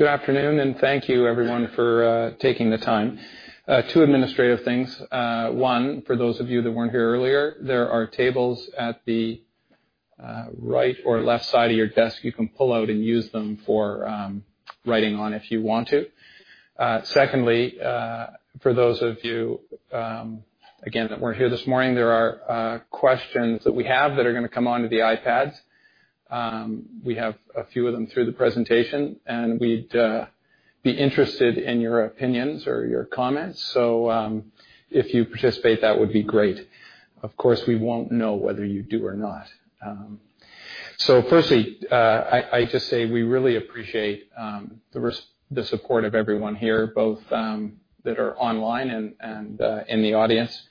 Good afternoon. Thank you, everyone, for taking the time. Two administrative things. One, for those of you that weren't here earlier, there are tables at the right or left side of your desk you can pull out and use them for writing on if you want to. Secondly, for those of you, again, that weren't here this morning, there are questions that we have that are going to come onto the iPads. We have a few of them through the presentation, and we'd be interested in your opinions or your comments. If you participate, that would be great. Of course, we won't know whether you do or not. Firstly, I just say we really appreciate the support of everyone here, both that are online and in the audience.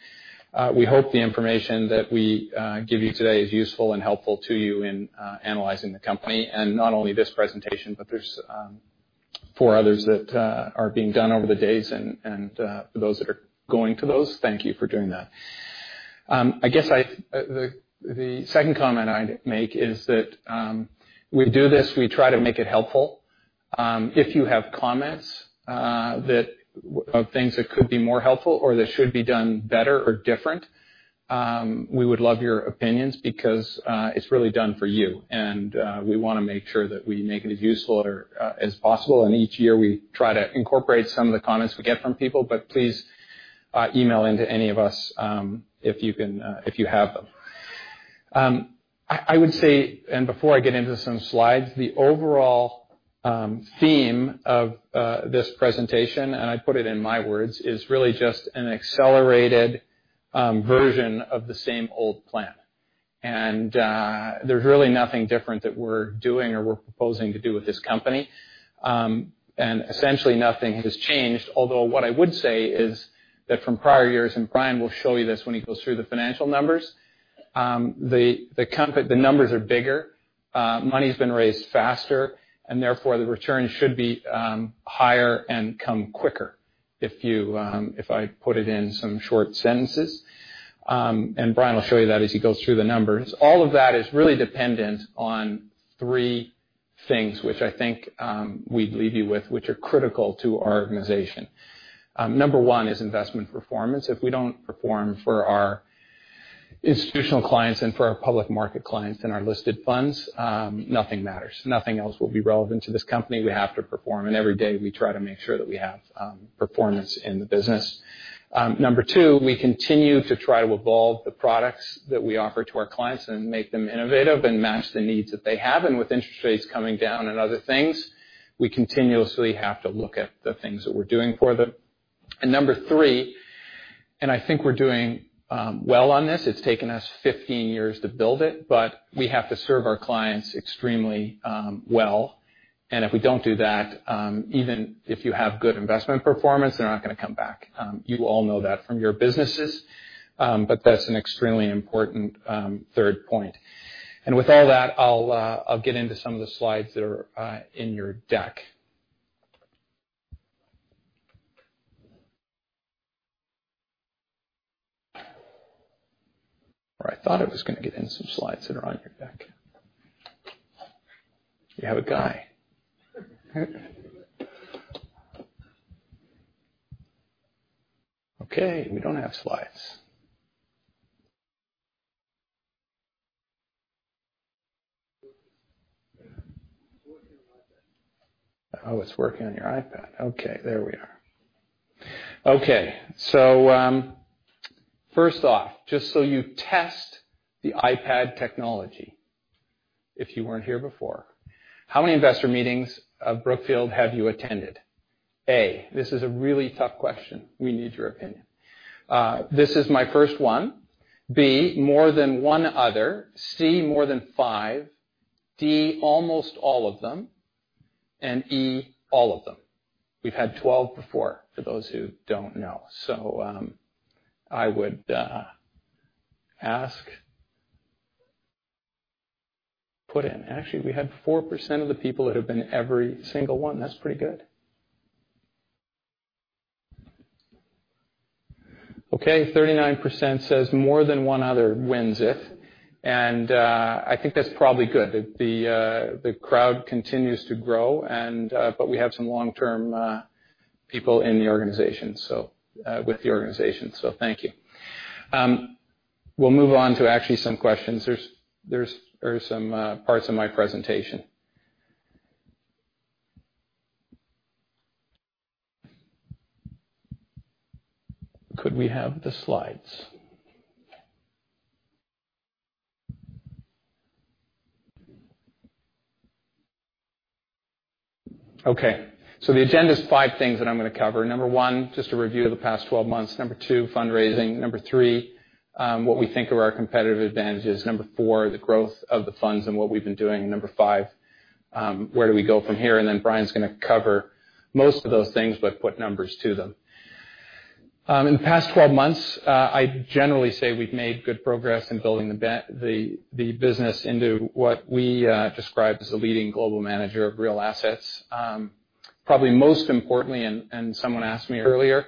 We hope the information that we give you today is useful and helpful to you in analyzing the company. Not only this presentation, but there's four others that are being done over the days. For those that are going to those, thank you for doing that. I guess, the second comment I'd make is that we do this, we try to make it helpful. If you have comments of things that could be more helpful or that should be done better or different, we would love your opinions because it's really done for you. We want to make sure that we make it as useful as possible. Each year, we try to incorporate some of the comments we get from people, but please email in to any of us if you have them. I would say, before I get into some slides, the overall theme of this presentation, I put it in my words, is really just an accelerated version of the same old plan. There's really nothing different that we're doing or we're proposing to do with this company. Essentially, nothing has changed. Although what I would say is that from prior years, Brian will show you this when he goes through the financial numbers, the numbers are bigger. Money's been raised faster, therefore, the return should be higher and come quicker, if I put it in some short sentences. Brian will show you that as he goes through the numbers. All of that is really dependent on three things, which I think we'd leave you with, which are critical to our organization. Number one is investment performance. If we don't perform for our institutional clients and for our public market clients and our listed funds, nothing matters. Nothing else will be relevant to this company. We have to perform. Every day we try to make sure that we have performance in the business. Number two, we continue to try to evolve the products that we offer to our clients and make them innovative and match the needs that they have. With interest rates coming down and other things, we continuously have to look at the things that we're doing for them. Number three, I think we're doing well on this. It's taken us 15 years to build it, but we have to serve our clients extremely well. If we don't do that, even if you have good investment performance, they're not going to come back. You all know that from your businesses. That's an extremely important third point. With all that, I'll get into some of the slides that are in your deck. I thought I was going to get into some slides that are on your deck. You have a guy. Okay, we don't have slides. It's working on my iPad. It's working on your iPad. Okay. There we are. Okay. First off, just so you test the iPad technology, if you weren't here before, how many investor meetings of Brookfield have you attended? A. This is a really tough question. We need your opinion. This is my first one. B. More than one other. C. More than five. D. Almost all of them. E. All of them. We've had 12 before, for those who don't know. I would ask, put in. Actually, we have 4% of the people that have been every single one. That's pretty good. Okay, 39% says more than one other wins it, and I think that's probably good. The crowd continues to grow but we have some long-term people with the organization. Thank you. We'll move on to actually some questions. There are some parts of my presentation. Could we have the slides? Okay. The agenda is five things that I'm going to cover. Number 1, just a review of the past 12 months. Number 2, fundraising. Number 3, what we think are our competitive advantages. Number 4, the growth of the funds and what we've been doing. Number 5, where do we go from here? Then Brian's going to cover most of those things, but put numbers to them. In the past 12 months, I generally say we've made good progress in building the business into what we describe as the leading global manager of real assets. Probably most importantly, someone asked me earlier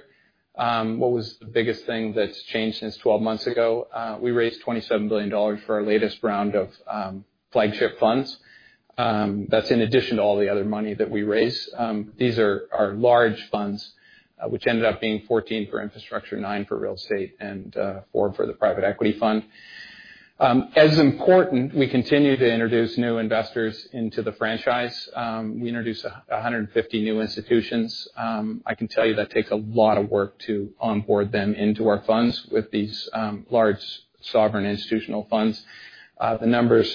What was the biggest thing that's changed since 12 months ago? We raised $27 billion for our latest round of flagship funds. That's in addition to all the other money that we raised. These are our large funds, which ended up being 14 for infrastructure, nine for real estate, and four for the private equity fund. As important, we continue to introduce new investors into the franchise. We introduced 150 new institutions. I can tell you that takes a lot of work to onboard them into our funds with these large sovereign institutional funds. The number's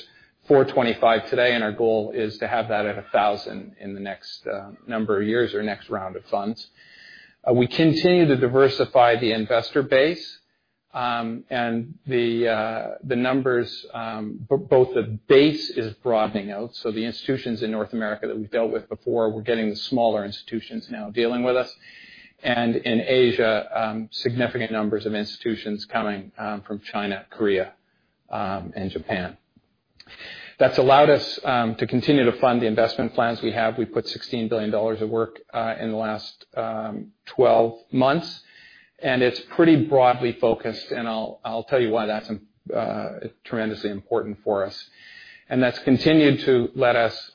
425 today, and our goal is to have that at 1,000 in the next number of years or next round of funds. The numbers, both the base is broadening out, so the institutions in North America that we've dealt with before, we're getting the smaller institutions now dealing with us. In Asia, significant numbers of institutions coming from China, Korea, and Japan. That's allowed us to continue to fund the investment plans we have. We put $16 billion to work in the last 12 months. It's pretty broadly focused, and I'll tell you why that's tremendously important for us. That's continued to let us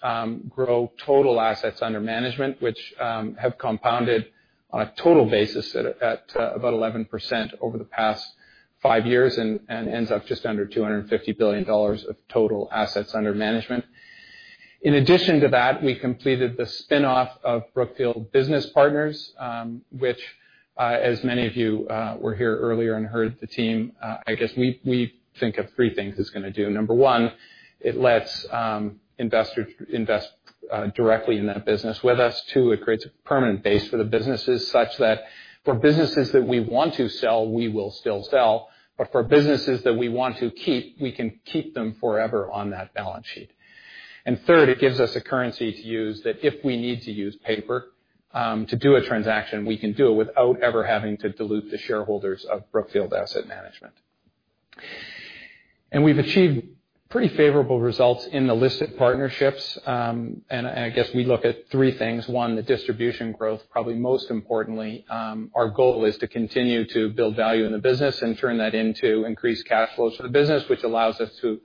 grow total assets under management, which have compounded on a total basis at about 11% over the past five years and ends up just under $250 billion of total assets under management. In addition to that, we completed the spinoff of Brookfield Business Partners, which, as many of you were here earlier and heard the team, I guess we think of three things it's going to do. Number one, it lets investors invest directly in that business with us. Two, it creates a permanent base for the businesses, such that for businesses that we want to sell, we will still sell, but for businesses that we want to keep, we can keep them forever on that balance sheet. Third, it gives us a currency to use that if we need to use paper to do a transaction, we can do it without ever having to dilute the shareholders of Brookfield Asset Management. We've achieved pretty favorable results in the listed partnerships. I guess we look at three things. One, the distribution growth, probably most importantly, our goal is to continue to build value in the business and turn that into increased cash flows for the business, which allows us to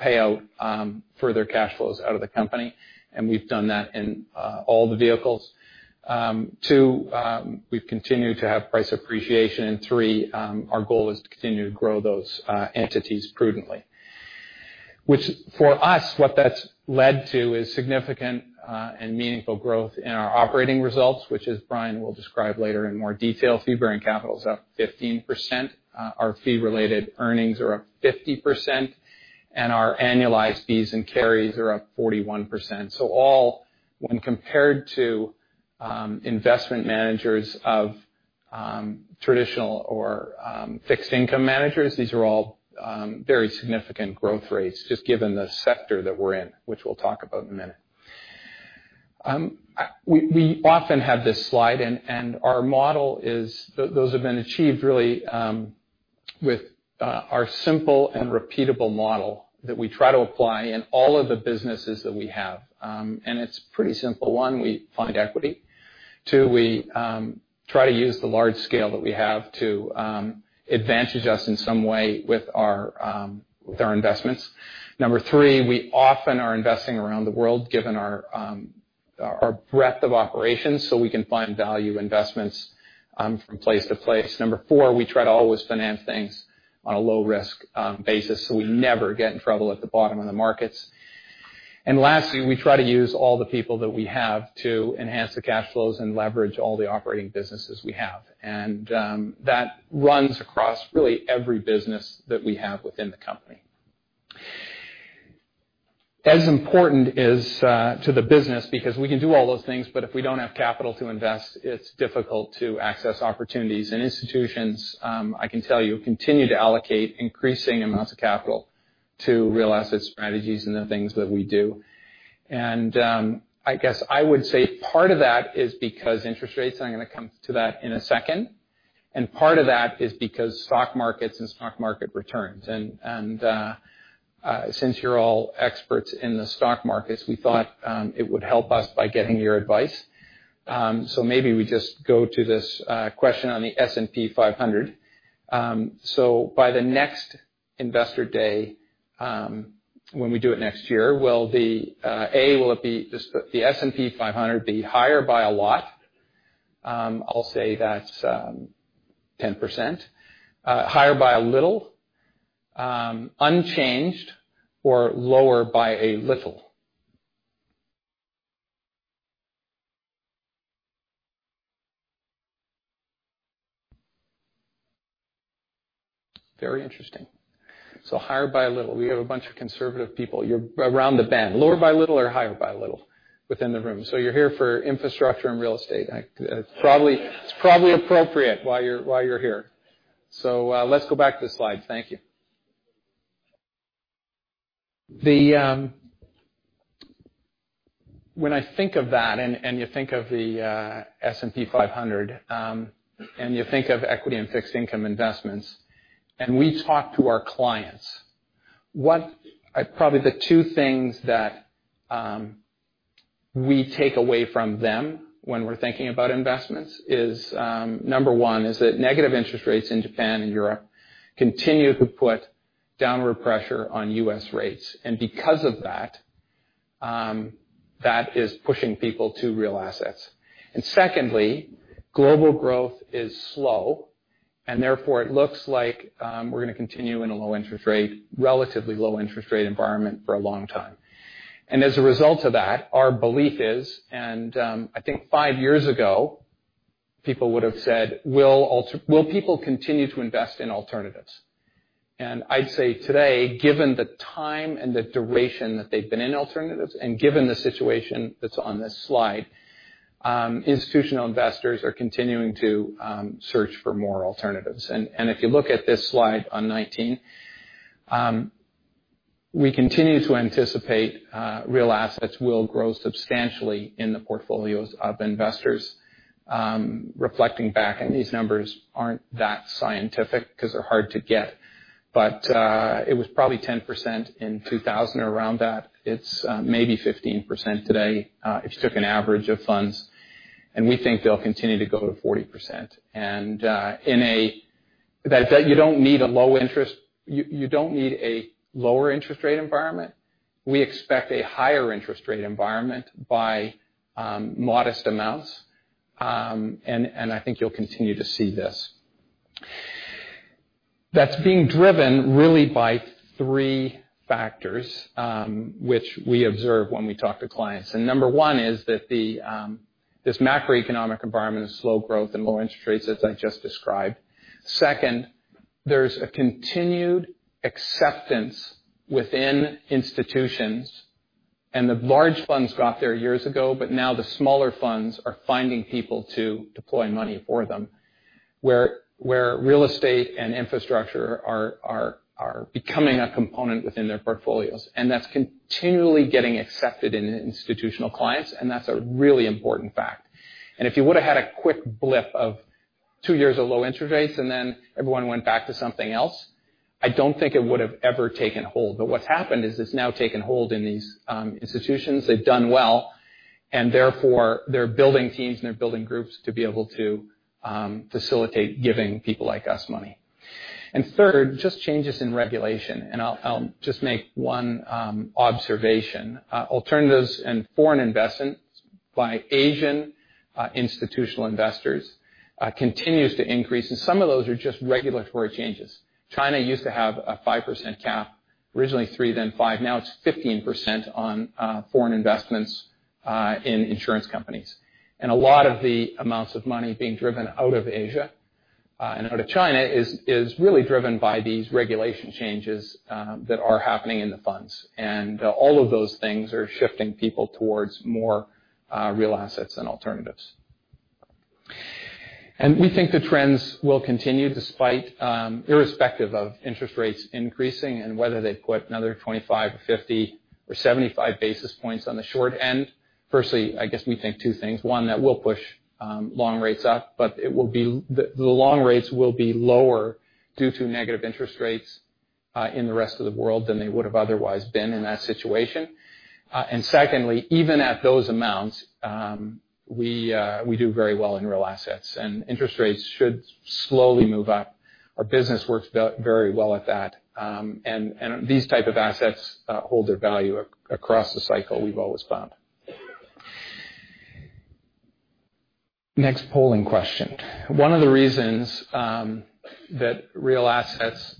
pay out further cash flows out of the company. We've done that in all the vehicles. Two, we've continued to have price appreciation. Three, our goal is to continue to grow those entities prudently. Which for us, what that's led to is significant and meaningful growth in our operating results, which as Brian will describe later in more detail, fee-bearing capital is up 15%, our fee-related earnings are up 50%, and our annualized fees and carries are up 41%. All, when compared to investment managers of traditional or fixed income managers, these are all very significant growth rates, just given the sector that we're in, which we'll talk about in a minute. We often have this slide. Our model is those have been achieved really with our simple and repeatable model that we try to apply in all of the businesses that we have. It's pretty simple. One, we find equity. Two, we try to use the large scale that we have to advantage us in some way with our investments. Number 3, we often are investing around the world given our breadth of operations, so we can find value investments from place to place. Number 4, we try to always finance things on a low-risk basis, so we never get in trouble at the bottom of the markets. Lastly, we try to use all the people that we have to enhance the cash flows and leverage all the operating businesses we have. That runs across really every business that we have within the company. As important is to the business, because we can do all those things, but if we don't have capital to invest, it's difficult to access opportunities. Institutions, I can tell you, continue to allocate increasing amounts of capital to real asset strategies and the things that we do. I guess I would say part of that is because interest rates, and I'm going to come to that in a second, and part of that is because stock markets and stock market returns. Since you're all experts in the stock markets, we thought it would help us by getting your advice. Maybe we just go to this question on the S&P 500. By the next investor day, when we do it next year, A, will the S&P 500 be higher by a lot? I'll say that's 10%. Higher by a little, unchanged, or lower by a little. Very interesting. Higher by a little. We have a bunch of conservative people. You're around the bend. Lower by a little or higher by a little within the room. You're here for infrastructure and real estate. It's probably appropriate why you're here. Let's go back to the slide. Thank you. When I think of that, and you think of the S&P 500, and you think of equity and fixed income investments, and we talk to our clients, probably the two things that we take away from them when we're thinking about investments is, number 1, is that negative interest rates in Japan and Europe continue to put downward pressure on U.S. rates. Because of that is pushing people to real assets. Secondly, global growth is slow, and therefore it looks like we're going to continue in a relatively low interest rate environment for a long time. As a result of that, our belief is, and I think 5 years ago, people would have said, "Will people continue to invest in alternatives?" I'd say today, given the time and the duration that they've been in alternatives, and given the situation that's on this slide, institutional investors are continuing to search for more alternatives. If you look at this slide on 19, we continue to anticipate real assets will grow substantially in the portfolios of investors. Reflecting back, these numbers aren't that scientific because they're hard to get. It was probably 10% in 2000, around that. It's maybe 15% today, if you took an average of funds, and we think they'll continue to go to 40%. You don't need a lower interest rate environment. We expect a higher interest rate environment by modest amounts, and I think you'll continue to see this. That's being driven really by three factors, which we observe when we talk to clients. Number 1 is that this macroeconomic environment of slow growth and low interest rates, as I just described. Second, there's a continued acceptance within institutions, and the large funds got there years ago, but now the smaller funds are finding people to deploy money for them, where real estate and infrastructure are becoming a component within their portfolios. That's continually getting accepted in institutional clients, and that's a really important fact. If you would've had a quick blip of two years of low interest rates, and then everyone went back to something else, I don't think it would've ever taken hold. What's happened is it's now taken hold in these institutions. They've done well, and therefore, they're building teams, and they're building groups to be able to facilitate giving people like us money. Third, just changes in regulation. I'll just make one observation. Alternatives and foreign investments by Asian institutional investors continues to increase, and some of those are just regulatory changes. China used to have a 5% cap, originally three, then five. Now it's 15% on foreign investments in insurance companies. A lot of the amounts of money being driven out of Asia and out of China is really driven by these regulation changes that are happening in the funds. All of those things are shifting people towards more real assets than alternatives. We think the trends will continue despite, irrespective of interest rates increasing and whether they put another 25, 50, or 75 basis points on the short end. Firstly, I guess we think 2 things. One, that will push long rates up, but the long rates will be lower due to negative interest rates in the rest of the world than they would've otherwise been in that situation. Secondly, even at those amounts, we do very well in real assets. Interest rates should slowly move up. Our business works very well at that. These type of assets hold their value across the cycle, we've always found. Next polling question. One of the reasons that real assets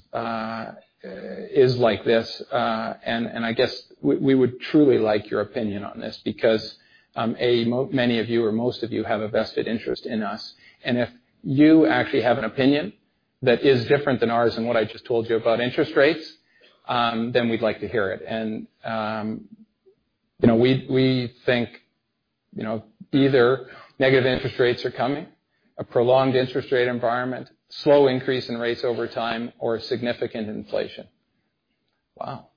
is like this, and I guess we would truly like your opinion on this because A, many of you or most of you have a vested interest in us. If you actually have an opinion that is different than ours and what I just told you about interest rates, then we'd like to hear it. We think either negative interest rates are coming, a prolonged interest rate environment, slow increase in rates over time, or significant inflation. Wow.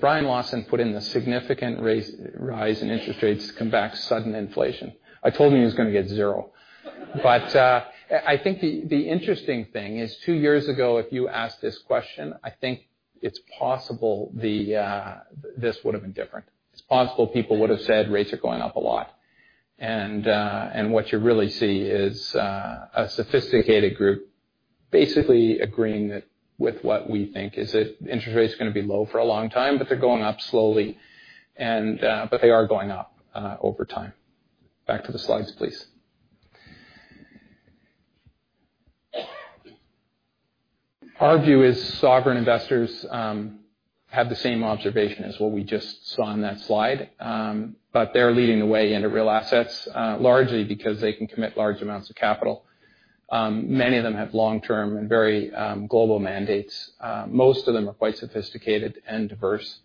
Brian Lawson put in the significant rise in interest rates, come back sudden inflation. I told him he was going to get zero. I think the interesting thing is two years ago, if you asked this question, I think it's possible this would've been different. It's possible people would've said rates are going up a lot. What you really see is a sophisticated group basically agreeing with what we think, is that interest rates are going to be low for a long time, but they're going up slowly. They are going up over time. Back to the slides, please. Our view is sovereign investors have the same observation as what we just saw on that slide. They're leading the way into real assets, largely because they can commit large amounts of capital. Many of them have long-term and very global mandates. Most of them are quite sophisticated and diverse.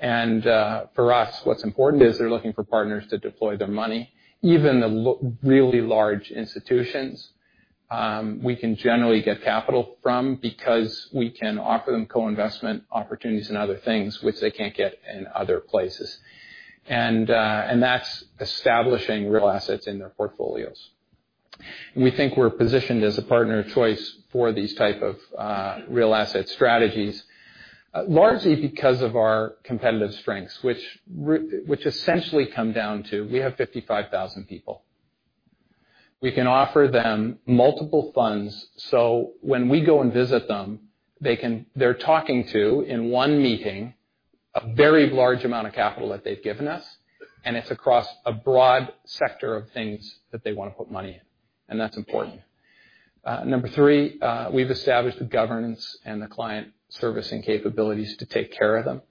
For us, what's important is they're looking for partners to deploy their money. Even the really large institutions we can generally get capital from because we can offer them co-investment opportunities and other things which they can't get in other places. That's establishing real assets in their portfolios. We think we're positioned as a partner of choice for these type of real asset strategies, largely because of our competitive strengths, which essentially come down to we have 55,000 people. We can offer them multiple funds, so when we go and visit them, they're talking to, in one meeting, a very large amount of capital that they've given us, and it's across a broad sector of things that they want to put money in, and that's important. Number three, we've established the governance and the client servicing capabilities to take care of them.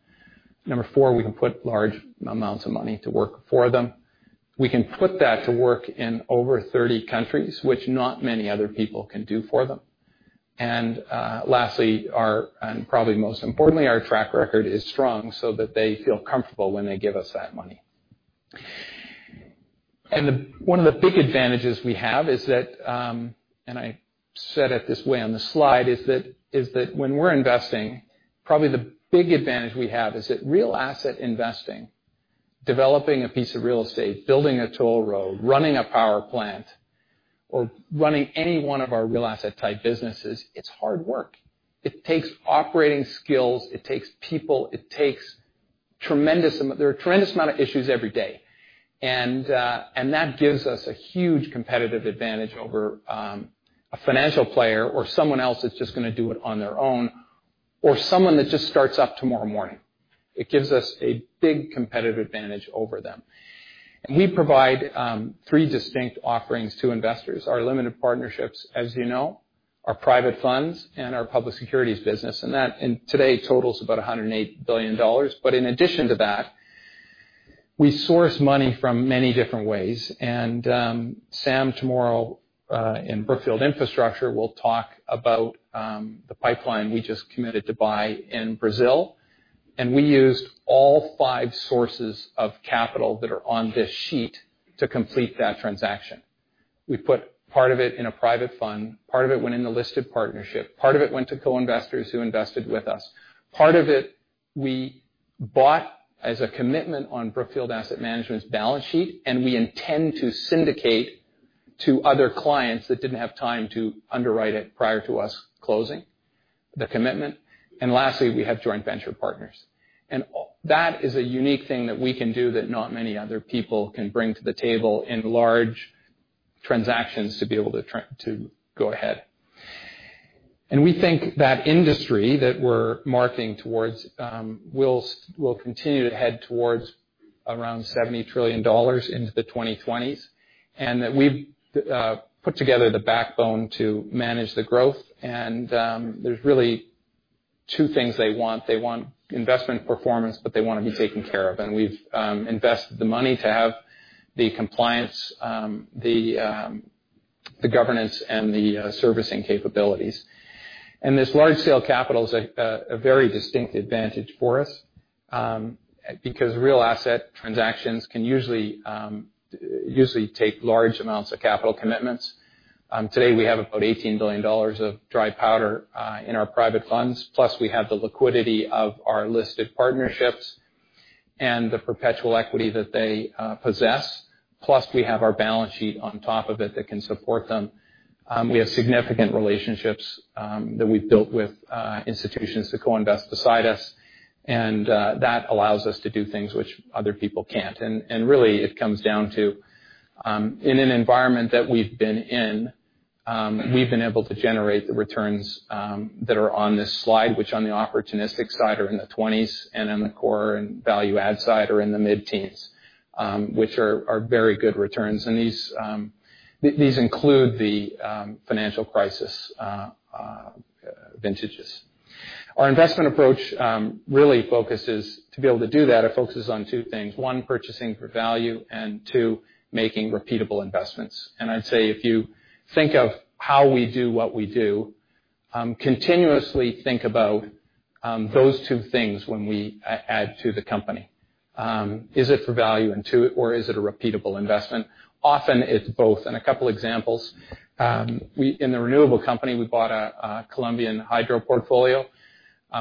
Number four, we can put large amounts of money to work for them. We can put that to work in over 30 countries, which not many other people can do for them. Lastly, and probably most importantly, our track record is strong so that they feel comfortable when they give us that money. One of the big advantages we have is that, and I said it this way on the slide, is that when we're investing, probably the big advantage we have is that real asset investing, developing a piece of real estate, building a toll road, running a power plant, or running any one of our real asset type businesses, it's hard work. It takes operating skills, it takes people. There are a tremendous amount of issues every day. That gives us a huge competitive advantage over a financial player or someone else that's just going to do it on their own, or someone that just starts up tomorrow morning. It gives us a big competitive advantage over them. We provide three distinct offerings to investors. Our limited partnerships, as you know, our private funds, and our public securities business, and that, today, totals about $108 billion. In addition to that, we source money from many different ways. Sam, tomorrow in Brookfield Infrastructure, will talk about the pipeline we just committed to buy in Brazil, and we used all five sources of capital that are on this sheet to complete that transaction. We put part of it in a private fund, part of it went in the listed partnership, part of it went to co-investors who invested with us. Part of it we bought as a commitment on Brookfield Asset Management's balance sheet, and we intend to syndicate to other clients that didn't have time to underwrite it prior to us closing the commitment. Lastly, we have joint venture partners. That is a unique thing that we can do that not many other people can bring to the table in large transactions to be able to go ahead. We think that industry that we're marketing towards will continue to head towards $70 trillion into the 2020s, that we've put together the backbone to manage the growth. There's really two things they want. They want investment performance, but they want to be taken care of. We've invested the money to have the compliance, the governance, and the servicing capabilities. This large scale capital is a very distinct advantage for us, because real asset transactions can usually take large amounts of capital commitments. Today, we have about $18 billion of dry powder in our private funds, plus we have the liquidity of our listed partnerships and the perpetual equity that they possess. Plus, we have our balance sheet on top of it that can support them. We have significant relationships that we've built with institutions to co-invest beside us, that allows us to do things which other people can't. Really it comes down to, in an environment that we've been in, we've been able to generate the returns that are on this slide, which on the opportunistic side are in the 20s, and on the core and value add side are in the mid-teens, which are very good returns. These include the financial crisis vintages. Our investment approach to be able to do that, it focuses on two things. One, purchasing for value, and two, making repeatable investments. I'd say, if you think of how we do what we do, continuously think about those two things when we add to the company. Is it for value? Or is it a repeatable investment? Often it's both. A couple examples. In the renewable company, we bought a Colombian hydro portfolio.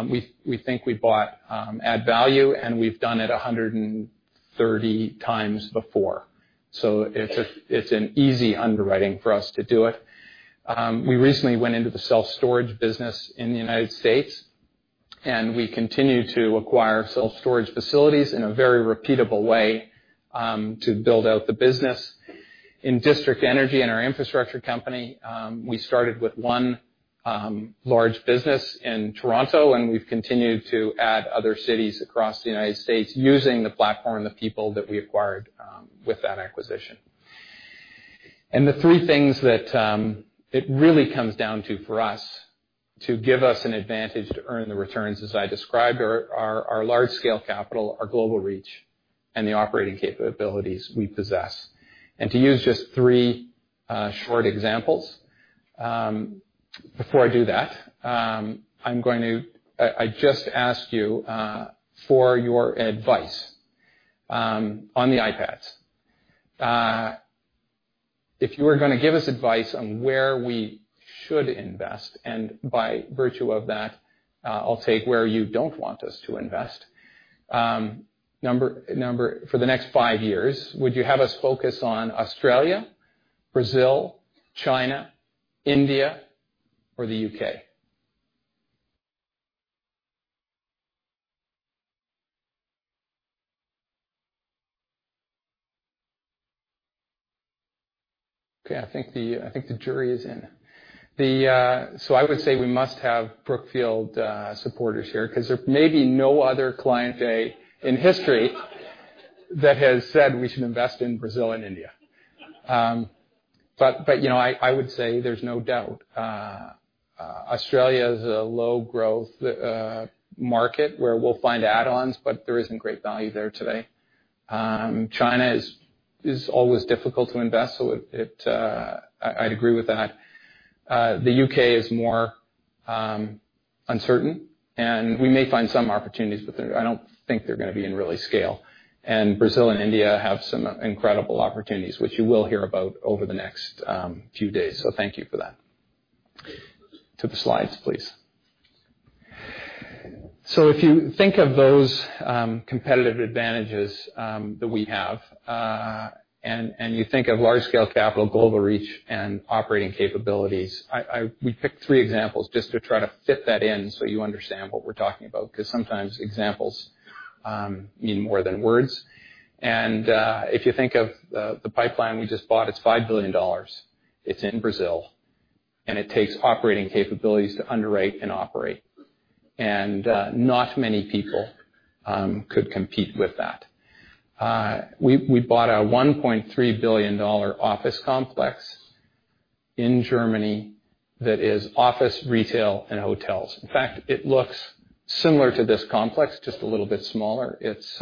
We think we bought add value, we've done it 130 times before. It's an easy underwriting for us to do it. We recently went into the self-storage business in the U.S., we continue to acquire self-storage facilities in a very repeatable way to build out the business. In district energy, in our infrastructure company, we started with one large business in Toronto, we've continued to add other cities across the U.S. using the platform, the people that we acquired with that acquisition. The three things that it really comes down to for us to give us an advantage to earn the returns as I described, are our large scale capital, our global reach, and the operating capabilities we possess. To use just three short examples. Before I do that, I just ask you for your advice on the iPads. If you were going to give us advice on where we should invest, by virtue of that, I'll take where you don't want us to invest for the next five years, would you have us focus on Australia, Brazil, China, India, or the U.K.? Okay, I think the jury is in. I would say we must have Brookfield supporters here because there may be no other client day in history that has said we should invest in Brazil and India. I would say there's no doubt Australia is a low growth market where we'll find add-ons, there isn't great value there today. China is always difficult to invest, I'd agree with that. The U.K. is more uncertain. We may find some opportunities, but I don't think they're going to be in real scale. Brazil and India have some incredible opportunities, which you will hear about over the next few days. Thank you for that. To the slides, please. If you think of those competitive advantages that we have, you think of large scale capital, global reach, and operating capabilities, we picked three examples just to try to fit that in so you understand what we're talking about, because sometimes examples mean more than words. If you think of the pipeline we just bought, it's $5 billion. It's in Brazil, and it takes operating capabilities to underwrite and operate. Not many people could compete with that. We bought a $1.3 billion office complex in Germany that is office, retail, and hotels. In fact, it looks similar to this complex, just a little bit smaller. It's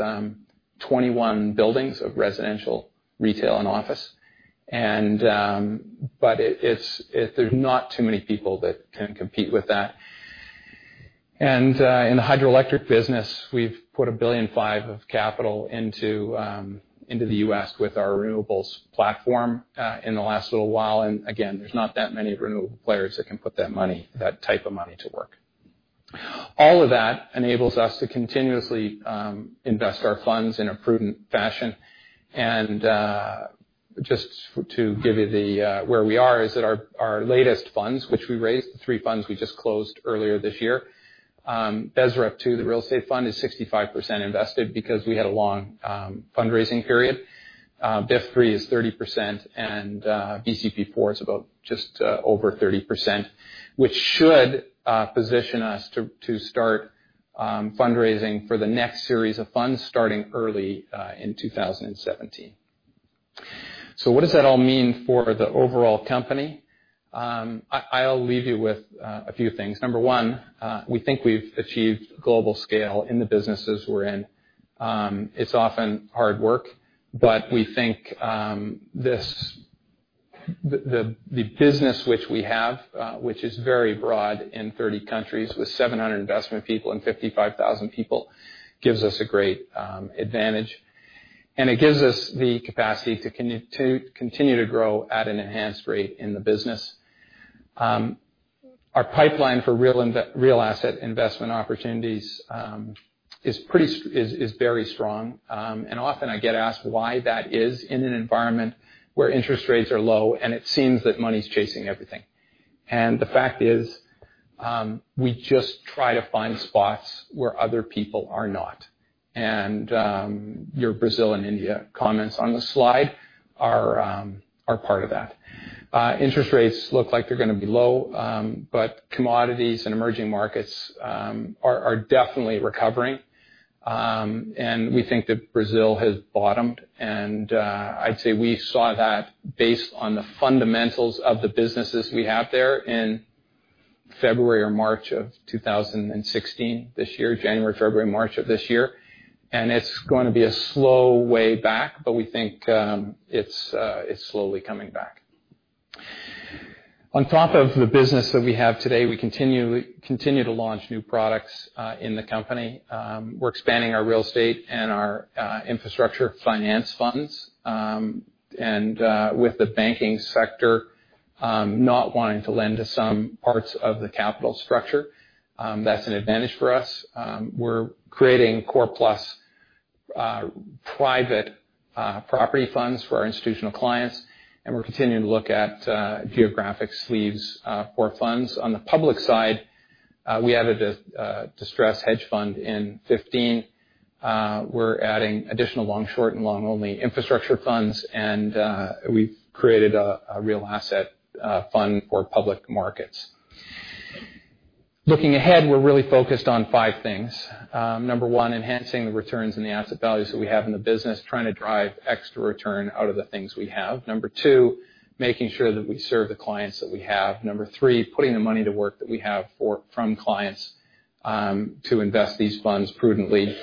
21 buildings of residential, retail, and office. But there's not too many people that can compete with that. In the hydroelectric business, we've put $1.5 billion of capital into the U.S. with our renewables platform in the last little while, and again, there's not that many renewable players that can put that type of money to work. All of that enables us to continuously invest our funds in a prudent fashion. Just to give you where we are, is that our latest funds, which we raised, the three funds we just closed earlier this year. BSREP II, the real estate fund, is 65% invested because we had a long fundraising period. BIF III is 30%, and BCP IV is about just over 30%, which should position us to start fundraising for the next series of funds starting early in 2017. What does that all mean for the overall company? I'll leave you with a few things. Number one, we think we've achieved global scale in the businesses we're in. It's often hard work, but we think the business which we have, which is very broad in 30 countries with 700 investment people and 55,000 people gives us a great advantage, and it gives us the capacity to continue to grow at an enhanced rate in the business. Our pipeline for real asset investment opportunities is very strong. Often I get asked why that is in an environment where interest rates are low, and it seems that money's chasing everything. The fact is, we just try to find spots where other people are not. Your Brazil and India comments on the slide are part of that. Interest rates look like they're going to be low, but commodities and emerging markets are definitely recovering. We think that Brazil has bottomed, and I'd say we saw that based on the fundamentals of the businesses we have there in February or March of 2016, this year, January, February, March of this year. It's going to be a slow way back, but we think it's slowly coming back. On top of the business that we have today, we continue to launch new products in the company. We're expanding our real estate and our infrastructure finance funds. With the banking sector not wanting to lend to some parts of the capital structure, that's an advantage for us. We're creating core plus private property funds for our institutional clients, we're continuing to look at geographic sleeves for funds. On the public side, we added a distressed hedge fund in 2015. We're adding additional long, short, and long only infrastructure funds, we've created a real asset fund for public markets. Looking ahead, we're really focused on five things. Number one, enhancing the returns and the asset values that we have in the business, trying to drive extra return out of the things we have. Number two, making sure that we serve the clients that we have. Number three, putting the money to work that we have from clients to invest these funds prudently.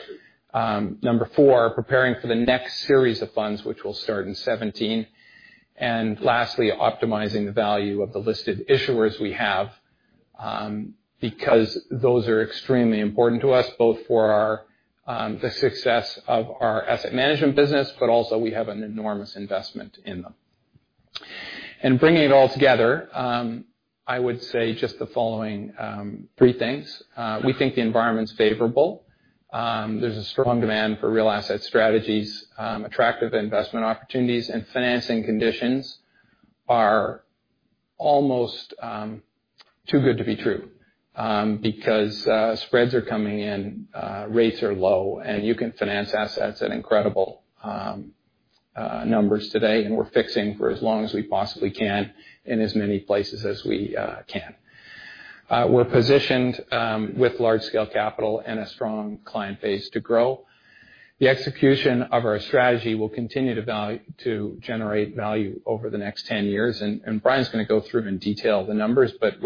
Number four, preparing for the next series of funds, which will start in 2017. Lastly, optimizing the value of the listed issuers we have. Those are extremely important to us, both for the success of our asset management business, but also we have an enormous investment in them. Bringing it all together, I would say just the following three things. We think the environment's favorable. There's a strong demand for real asset strategies. Attractive investment opportunities and financing conditions are almost too good to be true, because spreads are coming in, rates are low, you can finance assets at incredible numbers today, we're fixing for as long as we possibly can in as many places as we can. We're positioned with large-scale capital and a strong client base to grow. The execution of our strategy will continue to generate value over the next 10 years, Brian's going to go through in detail the numbers, but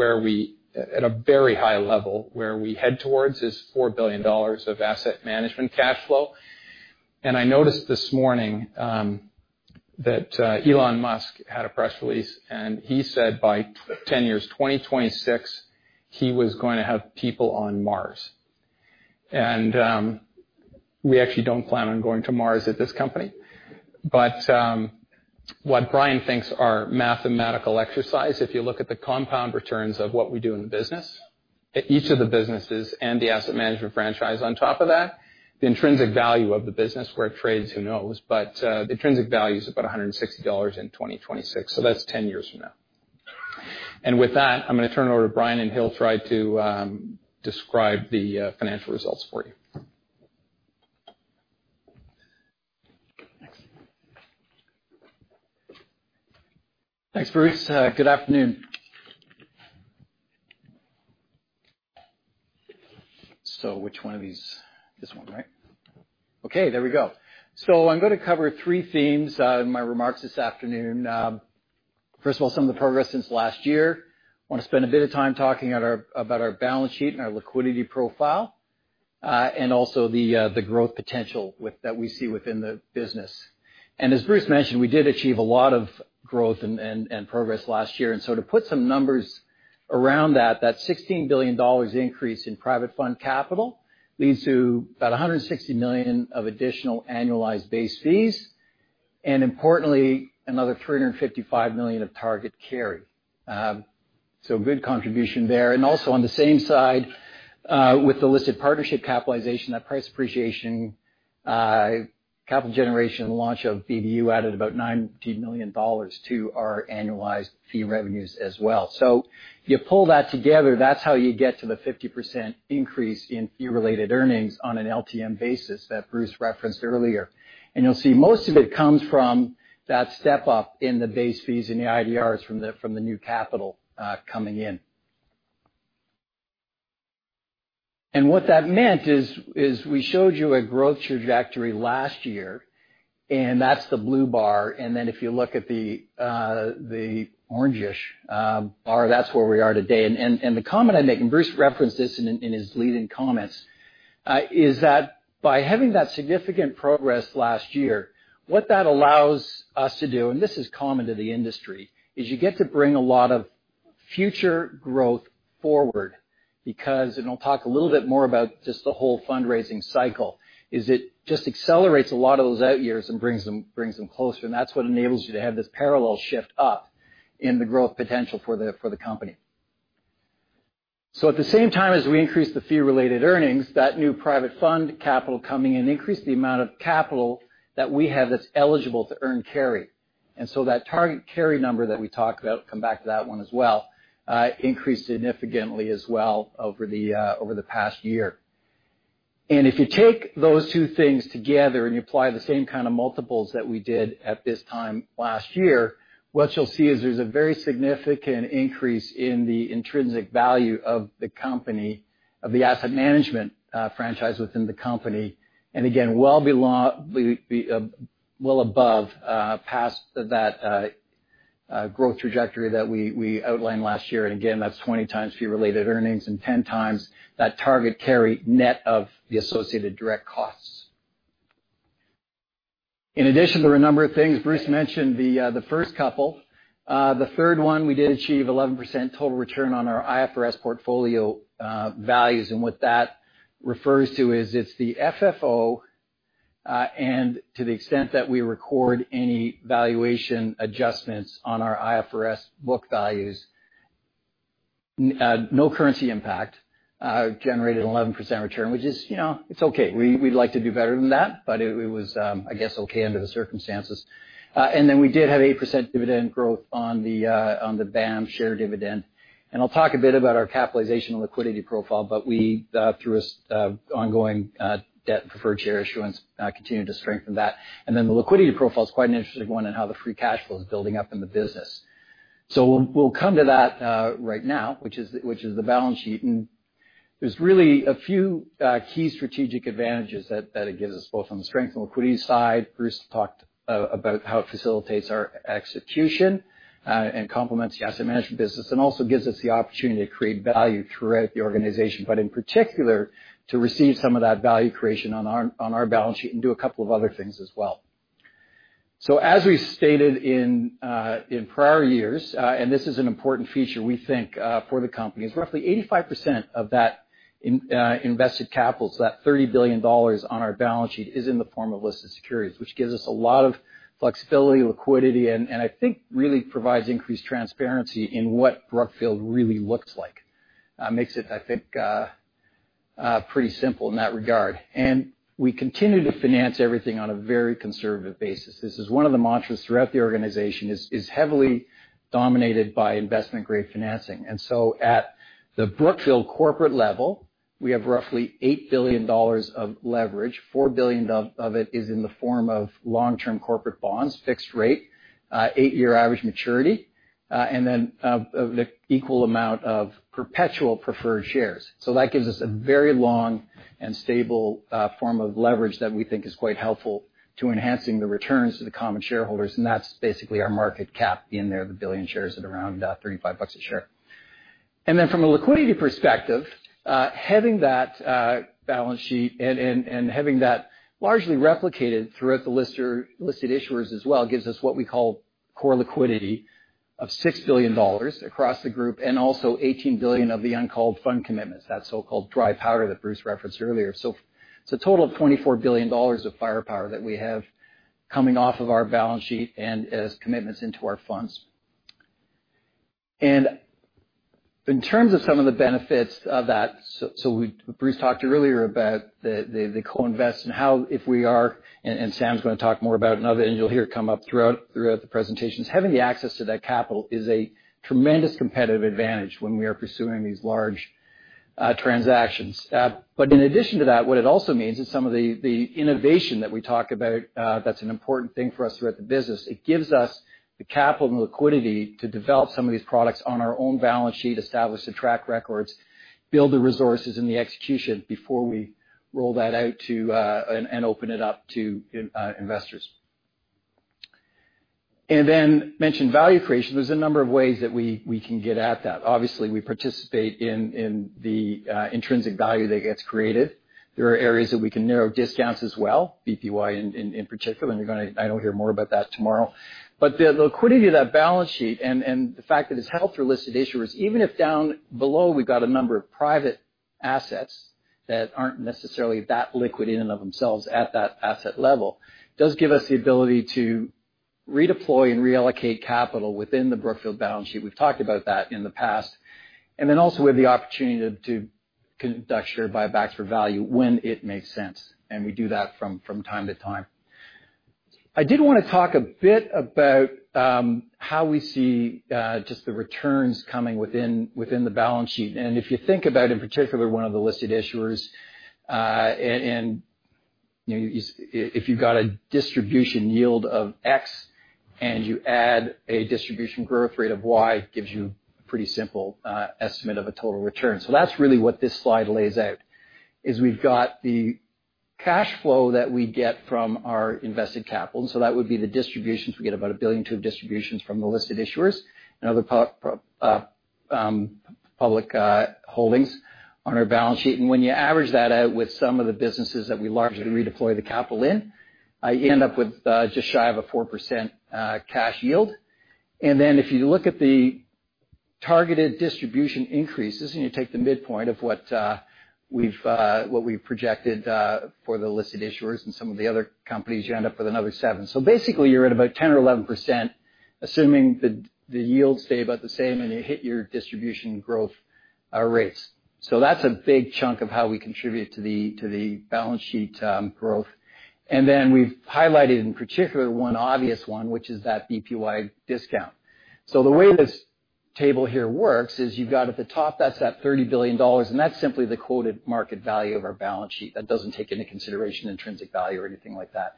at a very high level, where we head towards is $4 billion of asset management cash flow. I noticed this morning that Elon Musk had a press release, he said by 10 years, 2026, he was going to have people on Mars. We actually don't plan on going to Mars at this company, but what Brian thinks are mathematical exercise, if you look at the compound returns of what we do in the business, at each of the businesses and the asset management franchise on top of that, the intrinsic value of the business, where it trades, who knows. The intrinsic value is about $160 in 2026, so that's 10 years from now. With that, I'm going to turn it over to Brian, he'll try to describe the financial results for you. Thanks. Thanks, Bruce. Good afternoon. Which one of these? This one, right? Okay, there we go. I'm going to cover three themes in my remarks this afternoon. First of all, some of the progress since last year. Want to spend a bit of time talking about our balance sheet and our liquidity profile, and also the growth potential that we see within the business. As Bruce mentioned, we did achieve a lot of growth and progress last year. To put some numbers around that $16 billion increase in private fund capital leads to about $160 million of additional annualized base fees, and importantly, another $355 million of target carry. A good contribution there. Also on the same side, with the listed partnership capitalization, that price appreciation, capital generation launch of BBU added about $90 million to our annualized fee revenues as well. You pull that together, that's how you get to the 50% increase in fee-related earnings on an LTM basis that Bruce referenced earlier. You'll see most of it comes from that step up in the base fees and the IDRs from the new capital coming in. What that meant is we showed you a growth trajectory last year, and that's the blue bar. If you look at the orangish bar, that's where we are today. The comment I'd make, and Bruce referenced this in his leading comments, is that by having that significant progress last year, what that allows us to do, and this is common to the industry, is you get to bring a lot of future growth forward because, and I'll talk a little bit more about just the whole fundraising cycle, is it just accelerates a lot of those out years and brings them closer. That's what enables you to have this parallel shift up in the growth potential for the company. At the same time as we increase the fee-related earnings, that new private fund capital coming in increased the amount of capital that we have that's eligible to earn carry. That target carry number that we talked about, come back to that one as well, increased significantly as well over the past year. If you take those two things together and you apply the same kind of multiples that we did at this time last year, what you'll see is there's a very significant increase in the intrinsic value of the company, of the asset management franchise within the company. Well above past that growth trajectory that we outlined last year. That's 20 times fee-related earnings and 10 times that target carry net of the associated direct costs. In addition, there were a number of things Bruce mentioned, the first couple. The third one, we did achieve 11% total return on our IFRS portfolio values. What that refers to is it's the FFO, and to the extent that we record any valuation adjustments on our IFRS book values. No currency impact. Generated 11% return, which is okay. We'd like to do better than that, but it was, I guess, okay under the circumstances. Then we did have 8% dividend growth on the BAM share dividend. I'll talk a bit about our capitalization and liquidity profile, but we, through ongoing debt preferred share issuance, continue to strengthen that. Then the liquidity profile is quite an interesting one in how the free cash flow is building up in the business. We'll come to that right now, which is the balance sheet. There's really a few key strategic advantages that it gives us both on the strength and liquidity side. Bruce talked about how it facilitates our execution and complements the asset management business and also gives us the opportunity to create value throughout the organization, but in particular, to receive some of that value creation on our balance sheet and do a couple of other things as well. As we stated in prior years, and this is an important feature, we think, for the company, is roughly 85% of that invested capital, so that $30 billion on our balance sheet, is in the form of listed securities. Which gives us a lot of flexibility, liquidity, and I think really provides increased transparency in what Brookfield really looks like. Makes it, I think, pretty simple in that regard. We continue to finance everything on a very conservative basis. This is one of the mantras throughout the organization, is heavily dominated by investment-grade financing. At the Brookfield corporate level, we have roughly $8 billion of leverage, $4 billion of it is in the form of long-term corporate bonds, fixed rate, eight-year average maturity, and then the equal amount of perpetual preferred shares. That gives us a very long and stable form of leverage that we think is quite helpful to enhancing the returns to the common shareholders, and that's basically our market cap in there, the billion shares at around $35 a share. Then from a liquidity perspective, having that balance sheet and having that largely replicated throughout the listed issuers as well, gives us what we call core liquidity of $6 billion across the group, and also $18 billion of the uncalled fund commitments, that so-called dry powder that Bruce referenced earlier. It's a total of $24 billion of firepower that we have coming off of our balance sheet and as commitments into our funds. In terms of some of the benefits of that, so Bruce talked earlier about the co-invest and how, if we are, and Sam's going to talk more about it, and you'll hear it come up throughout the presentations. Having the access to that capital is a tremendous competitive advantage when we are pursuing these large transactions. In addition to that, what it also means is some of the innovation that we talk about, that's an important thing for us throughout the business. It gives us the capital and liquidity to develop some of these products on our own balance sheet, establish the track records, build the resources and the execution before we roll that out and open it up to investors. Mentioned value creation. There's a number of ways that we can get at that. Obviously, we participate in the intrinsic value that gets created. There are areas that we can narrow discounts as well, BPY in particular, and you're going to, I know, hear more about that tomorrow. The liquidity of that balance sheet and the fact that it's held through listed issuers, even if down below we've got a number of private assets that aren't necessarily that liquid in and of themselves at that asset level, does give us the ability to redeploy and reallocate capital within the Brookfield balance sheet. We've talked about that in the past. Also we have the opportunity to conduct share buybacks for value when it makes sense, and we do that from time to time. I did want to talk a bit about how we see just the returns coming within the balance sheet. If you think about, in particular, one of the listed issuers, if you've got a distribution yield of X and you add a distribution growth rate of Y, it gives you a pretty simple estimate of a total return. That's really what this slide lays out, is we've got the cash flow that we get from our invested capital. That would be the distributions. We get about $1.2 billion distributions from the listed issuers and other public holdings on our balance sheet. When you average that out with some of the businesses that we largely redeploy the capital in, you end up with just shy of a 4% cash yield. If you look at the targeted distribution increases and you take the midpoint of what we've projected for the listed issuers and some of the other companies, you end up with another seven. Basically, you're at about 10% or 11%, assuming the yields stay about the same and you hit your distribution growth rates. That's a big chunk of how we contribute to the balance sheet growth. We've highlighted in particular one obvious one, which is that BPY discount. The way this table here works is you've got at the top, that's that $30 billion, and that's simply the quoted market value of our balance sheet. That doesn't take into consideration intrinsic value or anything like that.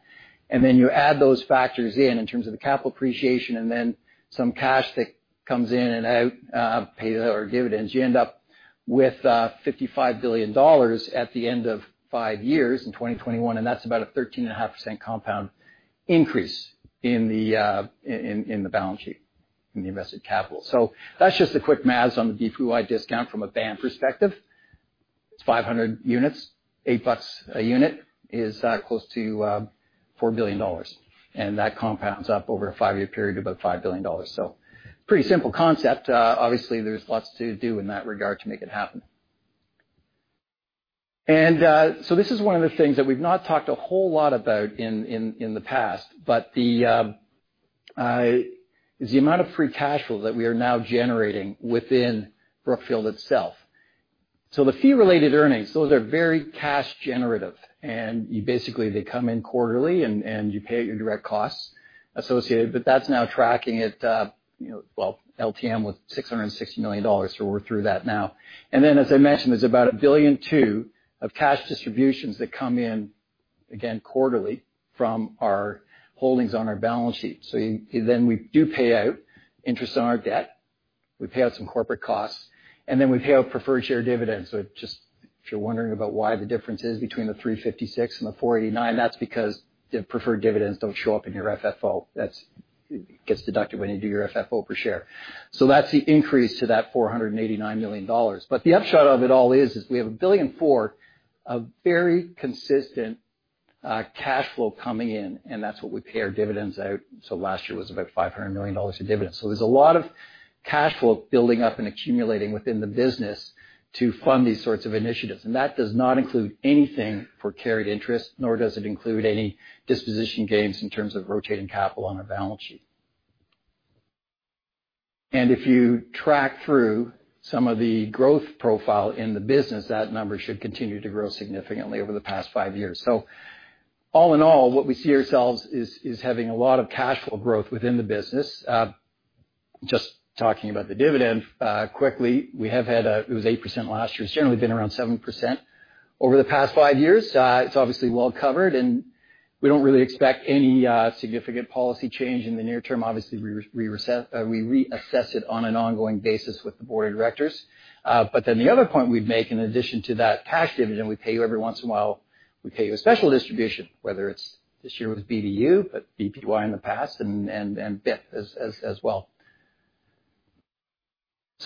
You add those factors in terms of the capital appreciation and then some cash that comes in and out, paid out, or dividends. You end up with $55 billion at the end of five years in 2021, and that's about a 13.5% compound increase in the balance sheet, in the invested capital. That's just the quick maths on the BPY discount from a BAM perspective. It's 500 million units. $8 a unit is close to $4 billion. That compounds up over a five-year period to about $5 billion. Pretty simple concept. Obviously, there's lots to do in that regard to make it happen. This is one of the things that we've not talked a whole lot about in the past. The amount of free cash flow that we are now generating within Brookfield itself. The fee-related earnings, those are very cash generative. Basically, they come in quarterly, you pay your direct costs associated, That's now tracking at LTM with $660 million, so we're through that now. As I mentioned, there's about $1.2 billion of cash distributions that come in, again, quarterly from our holdings on our balance sheet. We do pay out interest on our debt. We pay out some corporate costs. We pay out preferred share dividends. If you're wondering about why the difference is between the $356 and the $489, that's because the preferred dividends don't show up in your FFO. That gets deducted when you do your FFO per share. That's the increase to that $489 million. The upshot of it all is we have $1.4 billion of very consistent cash flow coming in, and that's what we pay our dividends out. Last year was about $500 million in dividends. There's a lot of cash flow building up and accumulating within the business to fund these sorts of initiatives. That does not include anything for carried interest, nor does it include any disposition gains in terms of rotating capital on our balance sheet. If you track through some of the growth profile in the business, that number should continue to grow significantly over the past 5 years. All in all, what we see ourselves is having a lot of cash flow growth within the business. Just talking about the dividend quickly, it was 8% last year. It's generally been around 7% over the past 5 years. It's obviously well covered, and we don't really expect any significant policy change in the near term. Obviously, we reassess it on an ongoing basis with the board of directors. The other point we'd make in addition to that cash dividend we pay you every once in a while, we pay you a special distribution, whether it's this year with BBU, BPY in the past, and BIP as well.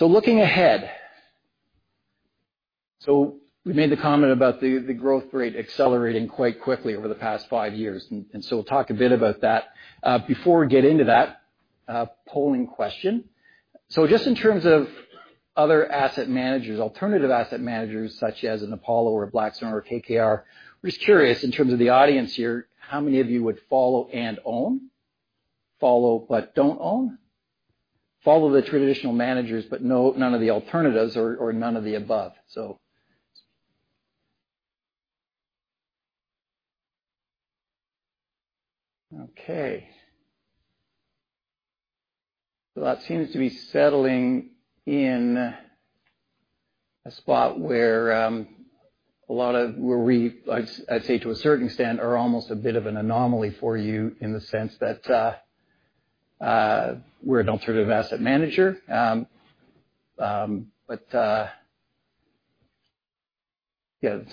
Looking ahead. We made the comment about the growth rate accelerating quite quickly over the past 5 years, we'll talk a bit about that. Before we get into that, polling question. Just in terms of other asset managers, alternative asset managers such as an Apollo or a Blackstone or KKR, we're just curious in terms of the audience here, how many of you would follow and own, follow but don't own, follow the traditional managers but none of the alternatives, or none of the above? Okay. That seems to be settling in a spot where a lot of, I'd say to a certain extent, are almost a bit of an anomaly for you in the sense that we're an alternative asset manager. Yeah. I guess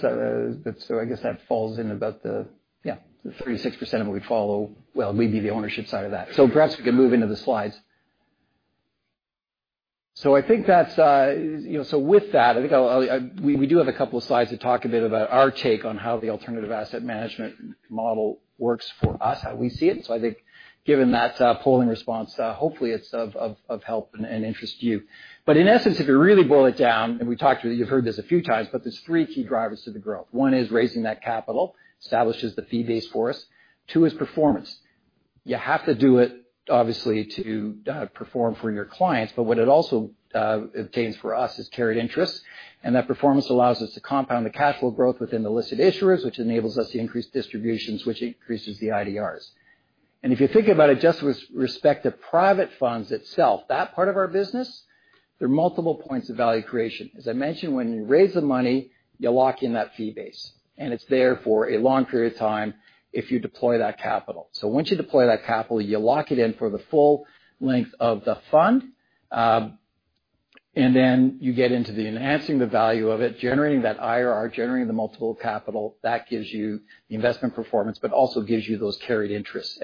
that falls in about the-- yeah, the 36% of what we follow. We'd be the ownership side of that. Perhaps we can move into the slides. With that, we do have a couple of slides to talk a bit about our take on how the alternative asset management model works for us, how we see it. I think given that polling response, hopefully it's of help and interests you. In essence, if you really boil it down, and you've heard this a few times, there's three key drivers to the growth. One is raising that capital, establishes the fee base for us. Two is performance. You have to do it obviously to perform for your clients, but what it also obtains for us is carried interest, that performance allows us to compound the cash flow growth within the listed issuers, which enables us to increase distributions, which increases the IDRs. If you think about it just with respect to private funds itself, that part of our business, there are multiple points of value creation. As I mentioned, when you raise the money, you lock in that fee base, and it's there for a long period of time if you deploy that capital. Once you deploy that capital, you lock it in for the full length of the fund, and then you get into the enhancing the value of it, generating that IRR, generating the multiple capital. That gives you the investment performance, but also gives you those carried interests.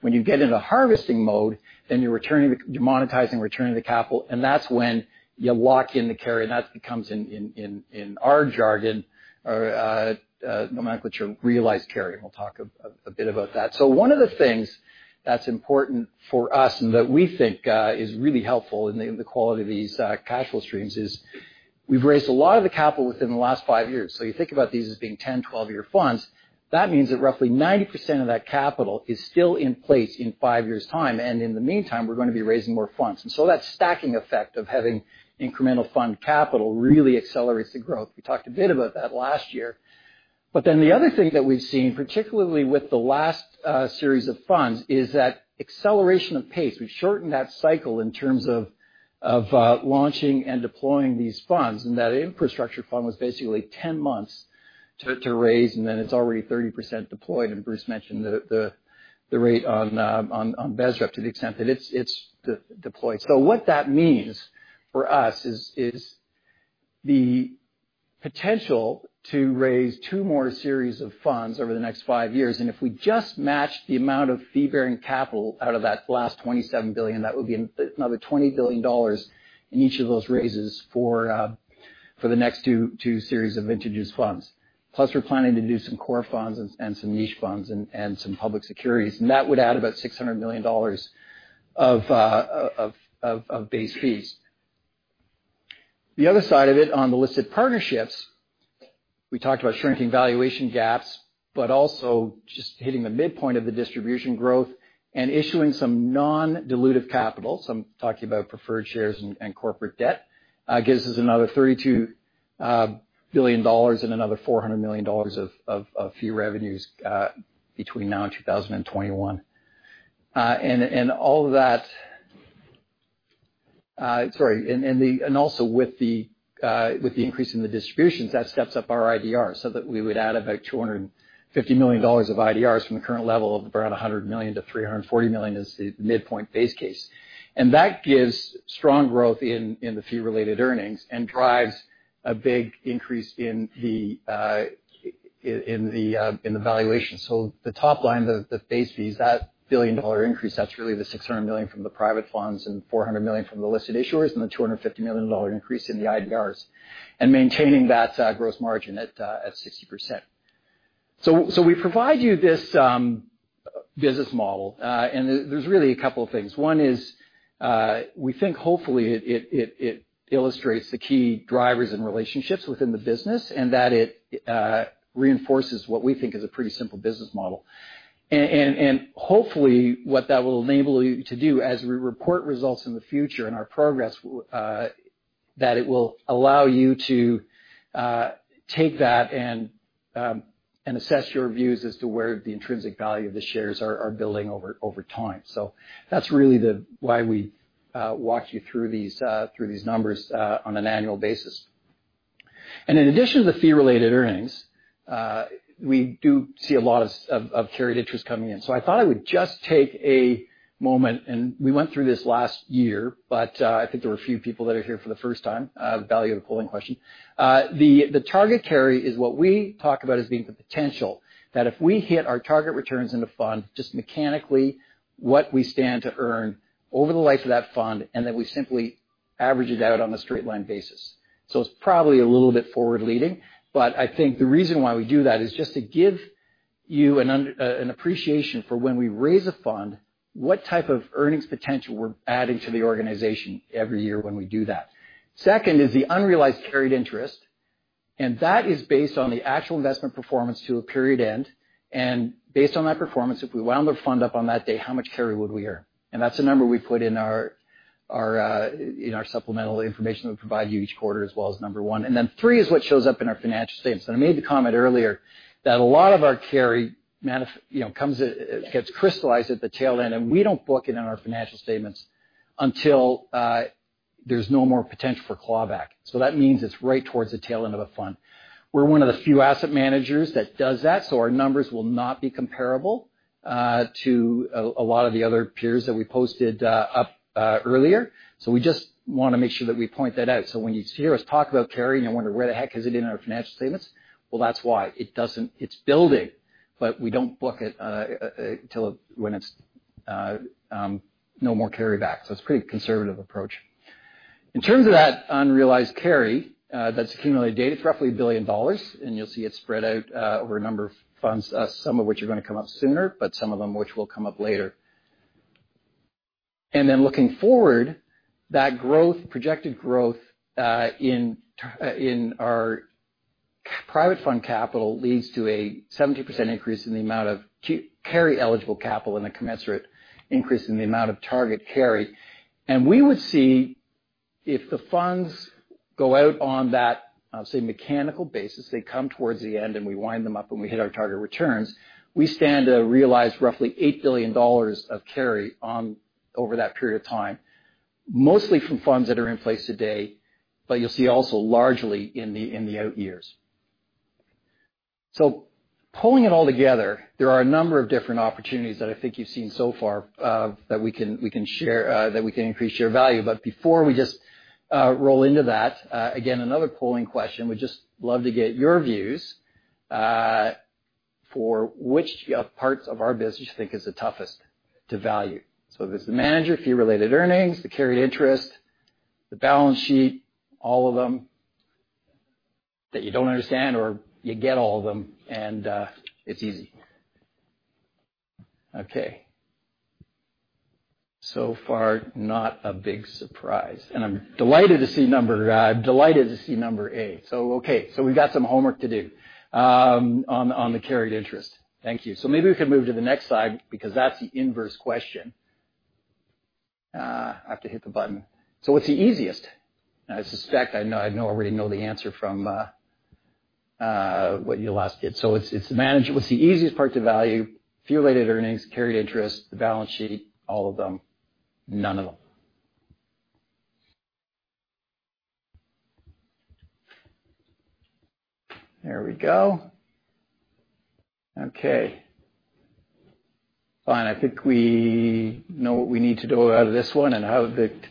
When you get into harvesting mode, then you're monetizing, returning the capital, and that's when you lock in the carry, and that becomes, in our jargon or nomenclature, realized carry, and we'll talk a bit about that. One of the things that's important for us and that we think is really helpful in the quality of these cash flow streams is we've raised a lot of the capital within the last five years. You think about these as being 10, 12 year funds. That means that roughly 90% of that capital is still in place in five years' time, in the meantime, we're going to be raising more funds. That stacking effect of having incremental fund capital really accelerates the growth. We talked a bit about that last year. The other thing that we've seen, particularly with the last series of funds, is that acceleration of pace. We've shortened that cycle in terms of launching and deploying these funds, and that infrastructure fund was basically 10 months to raise, and then it's already 30% deployed. Bruce mentioned the rate on BSREP up to the extent that it's deployed. What that means for us is the potential to raise two more series of funds over the next five years. If we just match the amount of fee-bearing capital out of that last $27 billion, that would be another $20 billion in each of those raises for the next two series of introduced funds. We're planning to do some core funds and some niche funds and some public securities. That would add about $600 million of base fees. The other side of it, on the listed partnerships, we talked about shrinking valuation gaps, also just hitting the midpoint of the distribution growth and issuing some non-dilutive capital. I'm talking about preferred shares and corporate debt. Gives us another $32 billion and another $400 million of fee revenues between now and 2021. Also with the increase in the distributions, that steps up our IDRs so that we would add about $250 million of IDRs from the current level of around $100 million to $340 million is the midpoint base case. That gives strong growth in the fee-related earnings and drives a big increase in the valuation. The top line, the base fees, that billion-dollar increase, that's really the $600 million from the private funds and $400 million from the listed issuers and the $250 million increase in the IDRs and maintaining that gross margin at 60%. We provide you this business model, and there's really a couple of things. One is, we think, hopefully, it illustrates the key drivers and relationships within the business, and that it reinforces what we think is a pretty simple business model. Hopefully, what that will enable you to do as we report results in the future and our progress, that it will allow you to take that and assess your views as to where the intrinsic value of the shares are billing over time. That's really why we walk you through these numbers on an annual basis. In addition to the fee-related earnings, we do see a lot of carried interest coming in. I thought I would just take a moment, and we went through this last year, but I think there were a few people that are here for the first time, the value of the polling question. The target carry is what we talk about as being the potential that if we hit our target returns in the fund, just mechanically what we stand to earn over the life of that fund, and then we simply average it out on a straight line basis. It's probably a little bit forward leading, but I think the reason why we do that is just to give you an appreciation for when we raise a fund, what type of earnings potential we're adding to the organization every year when we do that. Second is the unrealized carried interest, and that is based on the actual investment performance to a period end. Based on that performance, if we wound the fund up on that day, how much carry would we earn? That's a number we put in our supplemental information that we provide you each quarter as well as number one. Three is what shows up in our financial statements. I made the comment earlier that a lot of our carry gets crystallized at the tail end, and we don't book it in our financial statements until there's no more potential for clawback. That means it's right towards the tail end of a fund. We're one of the few asset managers that does that, so our numbers will not be comparable to a lot of the other peers that we posted up earlier. We just want to make sure that we point that out. When you hear us talk about carry and you wonder where the heck is it in our financial statements, well, that's why. It's building, but we don't book it when it's no more clawback. It's a pretty conservative approach. In terms of that unrealized carry that's accumulated to date, it's roughly $1 billion, and you'll see it spread out over a number of funds, some of which are going to come up sooner, but some of them which will come up later. Looking forward, that projected growth in our private fund capital leads to a 70% increase in the amount of carry-eligible capital and a commensurate increase in the amount of target carry. We would see if the funds go out on that, say, mechanical basis, they come towards the end and we wind them up and we hit our target returns, we stand to realize roughly $8 billion of carry over that period of time, mostly from funds that are in place today, but you'll see also largely in the out years. Pulling it all together, there are a number of different opportunities that I think you've seen so far that we can increase share value. Before we just roll into that, again, another polling question. We'd just love to get your views for which parts of our business you think is the toughest to value. If it's the manager, fee-related earnings, the carried interest, the balance sheet, all of them that you don't understand, or you get all of them and it's easy. Okay. Far, not a big surprise. I'm delighted to see number A. We've got some homework to do on the carried interest. Thank you. Maybe we can move to the next slide because that's the inverse question. I have to hit the button. What's the easiest? I suspect I already know the answer from what you last did. What's the easiest part to value? Fee-related earnings, carried interest, the balance sheet, all of them, none of them. There we go. Okay. Fine. I think we know what we need to do out of this one and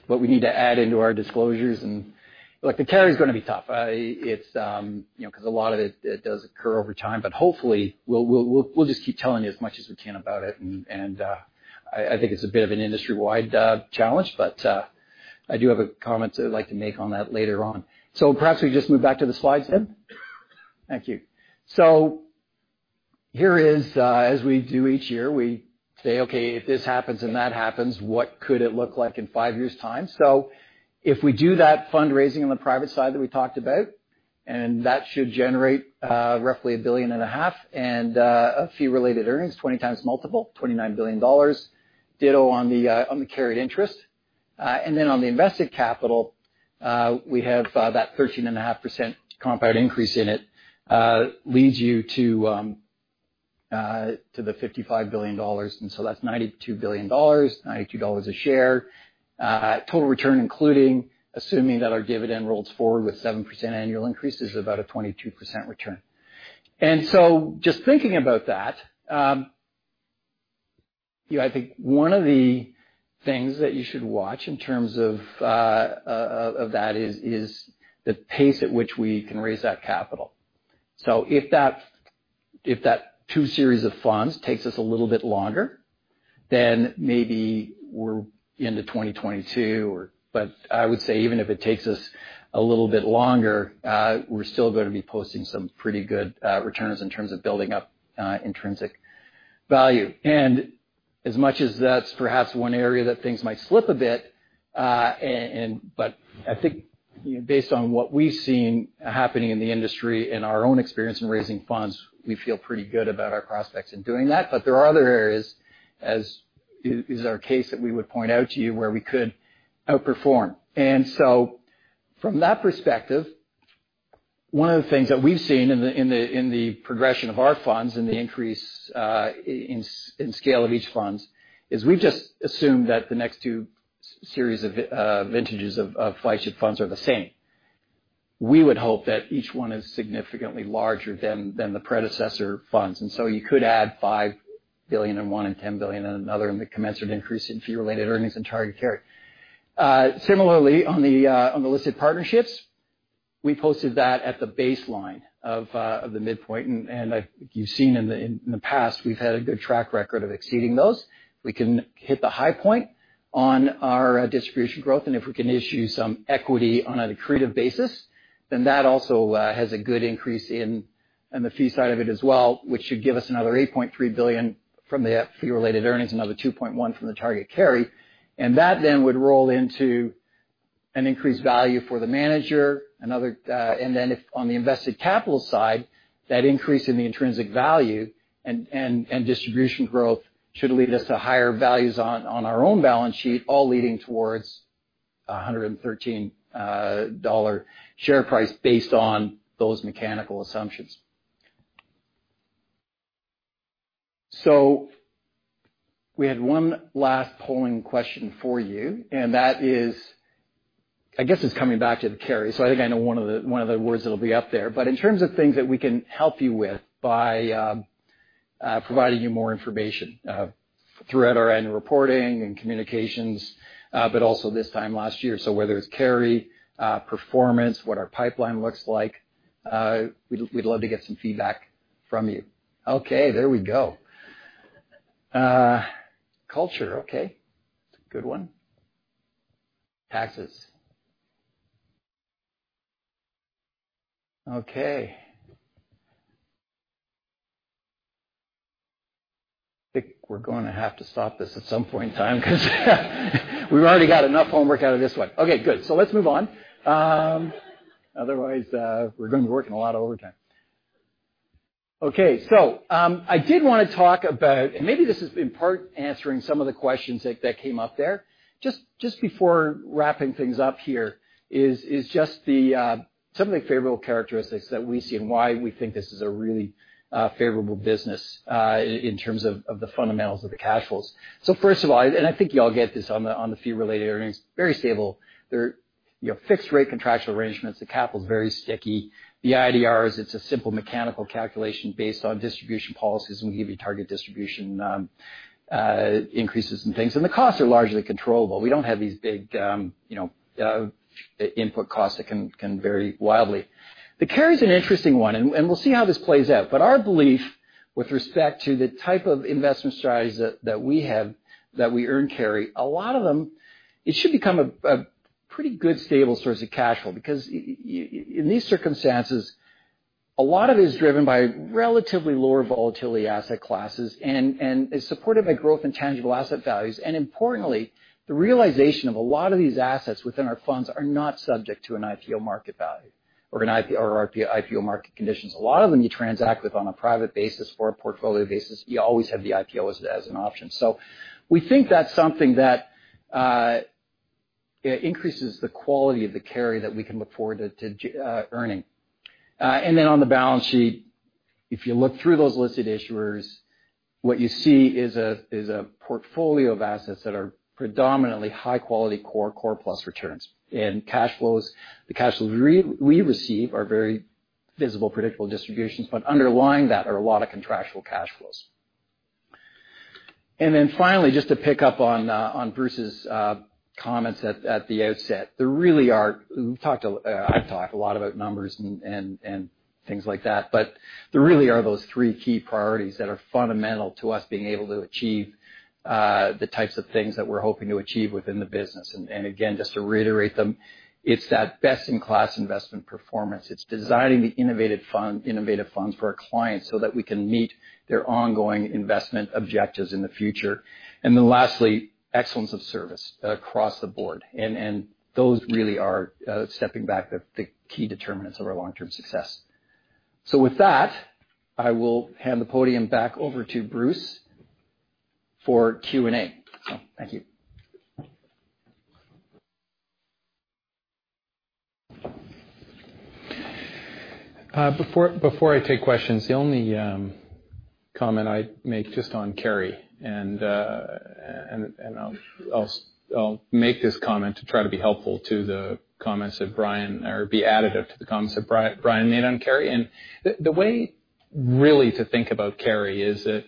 what we need to add into our disclosures. The carry is going to be tough because a lot of it does occur over time. Hopefully, we'll just keep telling you as much as we can about it. I think it's a bit of an industry-wide challenge, but I do have a comment to like to make on that later on. Perhaps we just move back to the slides then. Thank you. Here is, as we do each year, we say, "Okay, if this happens and that happens, what could it look like in five years' time?" If we do that fundraising on the private side that we talked about, that should generate roughly $1.5 billion of fee-related earnings, 20x multiple, $29 billion. Ditto on the carried interest. Then on the invested capital, we have that 13.5% compound increase in it leads you to the $55 billion. That's $92 billion, $92 a share. Total return, including assuming that our dividend rolls forward with 7% annual increase, is about a 22% return. Just thinking about that, I think one of the things that you should watch in terms of that is the pace at which we can raise that capital. If that 2 series of funds takes us a little bit longer Maybe we're into 2022. I would say even if it takes us a little bit longer, we're still going to be posting some pretty good returns in terms of building up intrinsic value. As much as that's perhaps one area that things might slip a bit, I think based on what we've seen happening in the industry and our own experience in raising funds, we feel pretty good about our prospects in doing that. There are other areas, as is our case, that we would point out to you where we could outperform. From that perspective, one of the things that we've seen in the progression of our funds and the increase in scale of each fund, is we've just assumed that the next two series of vintages of flagship funds are the same. We would hope that each one is significantly larger than the predecessor funds. You could add $5 billion in one and $10 billion in another, and the commensurate increase in fee-related earnings and target carry. Similarly, on the listed partnerships, we posted that at the baseline of the midpoint, I think you've seen in the past, we've had a good track record of exceeding those. We can hit the high point on our distribution growth, if we can issue some equity on an accretive basis, then that also has a good increase in the fee side of it as well, which should give us another $8.3 billion from the fee-related earnings, another $2.1 from the target carry. That then would roll into an increased value for the manager. If on the invested capital side, that increase in the intrinsic value and distribution growth should lead us to higher values on our own balance sheet, all leading towards $113 share price based on those mechanical assumptions. We had one last polling question for you, that is, I guess it's coming back to the carry. I think I know one of the words that'll be up there. In terms of things that we can help you with by providing you more information, throughout our annual reporting and communications, but also this time last year. Whether it's carry, performance, what our pipeline looks like, we'd love to get some feedback from you. There we go. Culture. That's a good one. Taxes. I think we're going to have to stop this at some point in time because we've already got enough homework out of this one. Good. Let's move on. Otherwise, we're going to be working a lot of overtime. I did want to talk about, maybe this is in part answering some of the questions that came up there. Just before wrapping things up here is just some of the favorable characteristics that we see and why we think this is a really favorable business in terms of the fundamentals of the cash flows. First of all, I think you all get this on the fee-related earnings, very stable. Fixed rate contractual arrangements, the capital's very sticky. The IDRs, it's a simple mechanical calculation based on distribution policies. We give you target distribution increases and things. The costs are largely controllable. We don't have these big input costs that can vary wildly. The carry's an interesting one. We'll see how this plays out. Our belief with respect to the type of investment strategies that we earn carry, a lot of them, it should become a pretty good stable source of cash flow. In these circumstances, a lot of it is driven by relatively lower volatility asset classes and is supported by growth in tangible asset values. Importantly, the realization of a lot of these assets within our funds are not subject to an IPO market value or IPO market conditions. A lot of them you transact with on a private basis or a portfolio basis. You always have the IPO as an option. We think that's something that increases the quality of the carry that we can look forward to earning. On the balance sheet, if you look through those listed issuers, what you see is a portfolio of assets that are predominantly high quality core plus returns. The cash flows we receive are very visible, predictable distributions, but underlying that are a lot of contractual cash flows. Finally, just to pick up on Bruce's comments at the outset. I've talked a lot about numbers and things like that, but there really are those three key priorities that are fundamental to us being able to achieve the types of things that we're hoping to achieve within the business. Again, just to reiterate them, it's that best-in-class investment performance. It's designing the innovative funds for our clients so that we can meet their ongoing investment objectives in the future. Lastly, excellence of service across the board. Those really are, stepping back, the key determinants of our long-term success. With that, I will hand the podium back over to Bruce for Q&A. Thank you. Before I take questions, the only comment I'd make just on carry, I'll make this comment to try to be helpful to the comments that Brian, or be additive to the comments that Brian made on carry. The way really to think about carry is that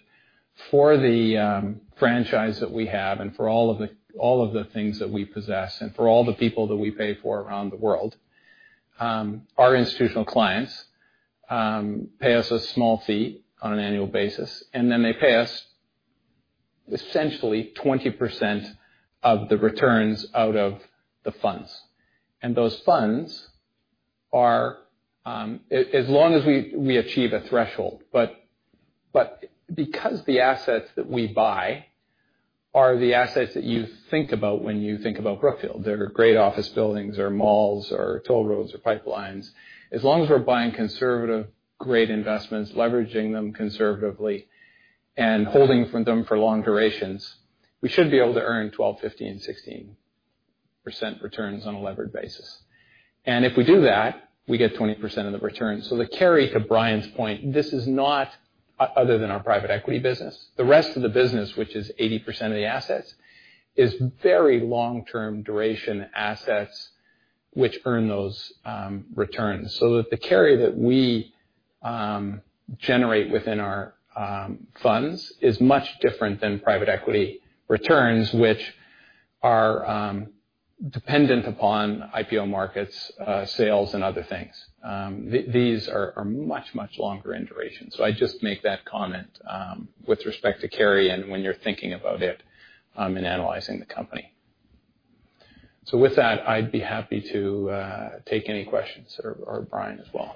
for the franchise that we have and for all of the things that we possess and for all the people that we pay for around the world, our institutional clients pay us a small fee on an annual basis, then they pay us essentially 20% of the returns out of the funds. Those funds are as long as we achieve a threshold. Because the assets that we buy are the assets that you think about when you think about Brookfield, they're great office buildings or malls or toll roads or pipelines. As long as we're buying conservative great investments, leveraging them conservatively and holding them for long durations, we should be able to earn 12%, 15%, 16% returns on a levered basis. If we do that, we get 20% of the return. The carry, to Brian's point, this is not other than our private equity business. The rest of the business, which is 80% of the assets, is very long-term duration assets which earn those returns. The carry that we generate within our funds is much different than private equity returns which are dependent upon IPO markets, sales and other things. These are much, much longer in duration. I just make that comment with respect to carry and when you're thinking about it and analyzing the company. With that, I'd be happy to take any questions or Brian as well.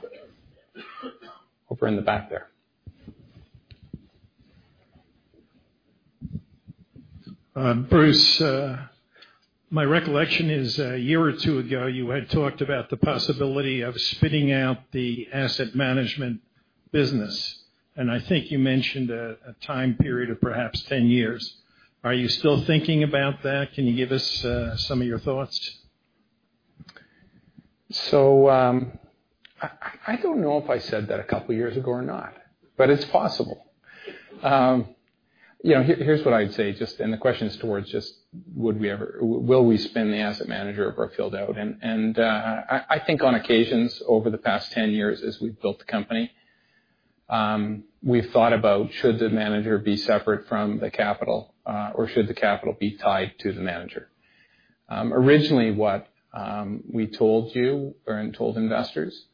Over in the back there. Bruce, my recollection is a year or two ago you had talked about the possibility of spinning out the asset management business and I think you mentioned a time period of perhaps 10 years. Are you still thinking about that? Can you give us some of your thoughts? I don't know if I said that a couple of years ago or not, but it's possible. Here's what I'd say, the question is towards just will we spin the asset manager of Brookfield out? I think on occasions over the past 10 years as we've built the company, we've thought about should the manager be separate from the capital or should the capital be tied to the manager. Originally what we told you or told investors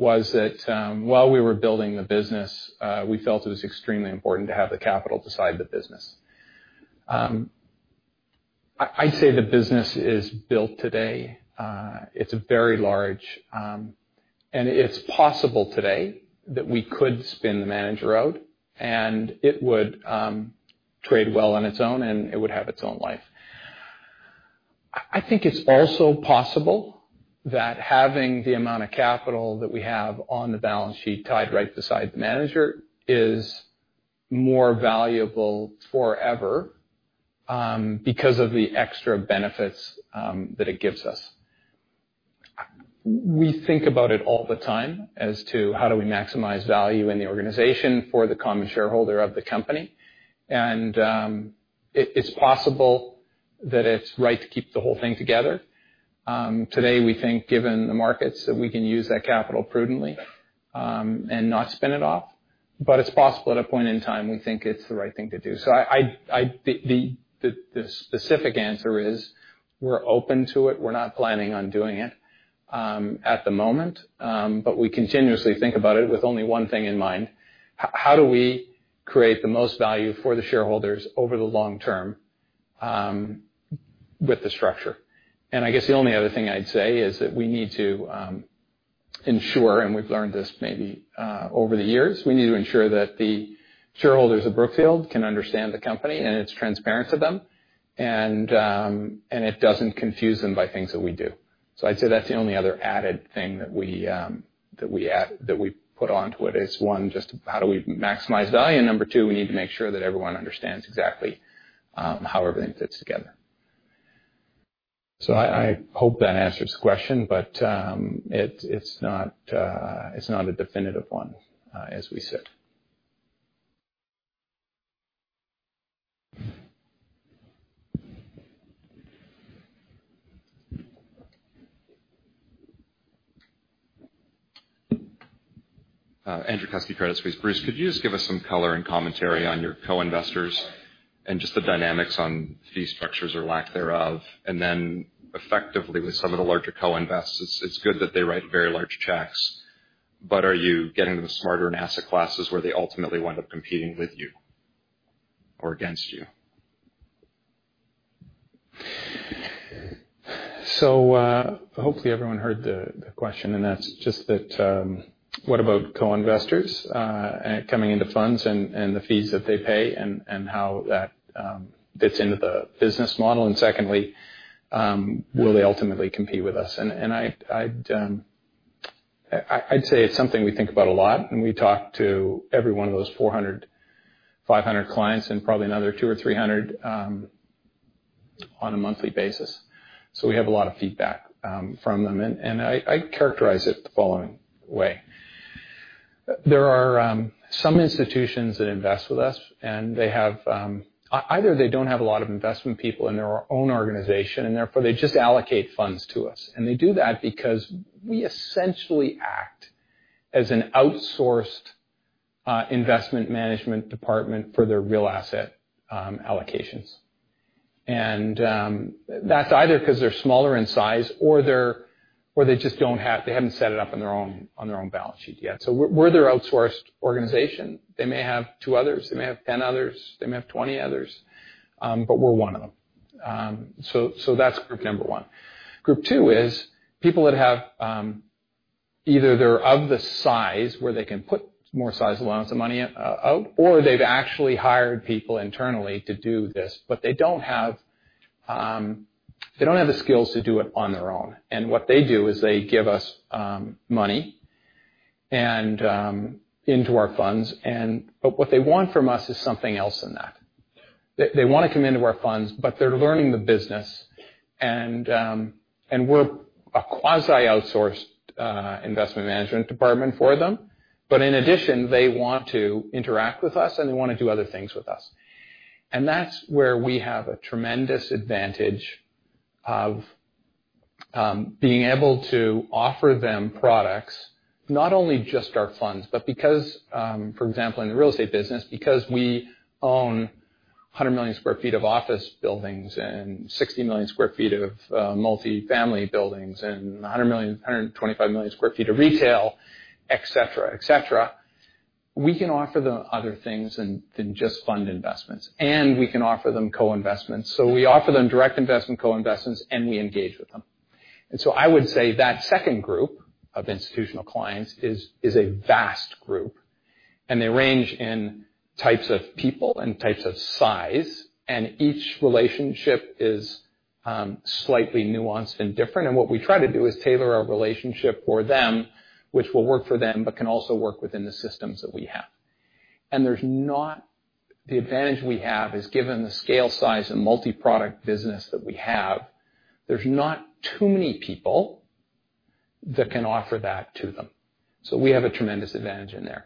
was that while we were building the business, we felt it was extremely important to have the capital beside the business. I'd say the business is built today. It's very large, and it's possible today that we could spin the manager out and it would trade well on its own and it would have its own life. I think it's also possible that having the amount of capital that we have on the balance sheet tied right beside the manager is more valuable forever because of the extra benefits that it gives us. We think about it all the time as to how do we maximize value in the organization for the common shareholder of the company. It's possible that it's right to keep the whole thing together. Today we think given the markets that we can use that capital prudently and not spin it off, but it's possible at a point in time we think it's the right thing to do. The specific answer is we're open to it. We're not planning on doing it at the moment, but we continuously think about it with only one thing in mind. How do we create the most value for the shareholders over the long term with the structure? I guess the only other thing I'd say is that we need to ensure, and we've learned this maybe over the years, we need to ensure that the shareholders of Brookfield can understand the company and it's transparent to them. It doesn't confuse them by things that we do. I'd say that's the only other added thing that we put onto it is one, just how do we maximize value and number two, we need to make sure that everyone understands exactly how everything fits together. I hope that answers the question, but it's not a definitive one as we sit. Andrew Kuske, Credit Suisse. Bruce, could you just give us some color and commentary on your co-investors and just the dynamics on fee structures or lack thereof and then effectively with some of the larger co-investments, it's good that they write very large checks. Are you getting them smarter in asset classes where they ultimately wind up competing with you or against you? Hopefully everyone heard the question and that's just that, what about co-investors coming into funds and the fees that they pay and how that fits into the business model? Secondly, will they ultimately compete with us? I'd say it's something we think about a lot and we talk to every one of those 400, 500 clients and probably another 200 or 300 on a monthly basis. We have a lot of feedback from them and I'd characterize it the following way. There are some institutions that invest with us and either they don't have a lot of investment people in their own organization and therefore they just allocate funds to us. They do that because we essentially act as an outsourced investment management department for their real asset allocations. That's either because they're smaller in size or they just haven't set it up on their own balance sheet yet. We're their outsourced organization. They may have two others, they may have 10 others, they may have 20 others, but we're one of them. That's group number one. Group two is people that have either they're of the size where they can put more sizable amounts of money out, or they've actually hired people internally to do this, but they don't have the skills to do it on their own. What they do is they give us money into our funds, but what they want from us is something else than that. They want to come into our funds, but they're learning the business, and we're a quasi-outsourced investment management department for them. In addition, they want to interact with us, and they want to do other things with us. That's where we have a tremendous advantage of being able to offer them products, not only just our funds, but because, for example, in the real estate business, because we own 100 million square feet of office buildings and 60 million square feet of multifamily buildings and 125 million square feet of retail, et cetera. We can offer them other things than just fund investments. We can offer them co-investments. We offer them direct investment co-investments, and we engage with them. I would say that second group of institutional clients is a vast group, and they range in types of people and types of size, and each relationship is slightly nuanced and different. What we try to do is tailor our relationship for them, which will work for them, but can also work within the systems that we have. The advantage we have is given the scale, size, and multi-product business that we have, there's not too many people that can offer that to them. We have a tremendous advantage there.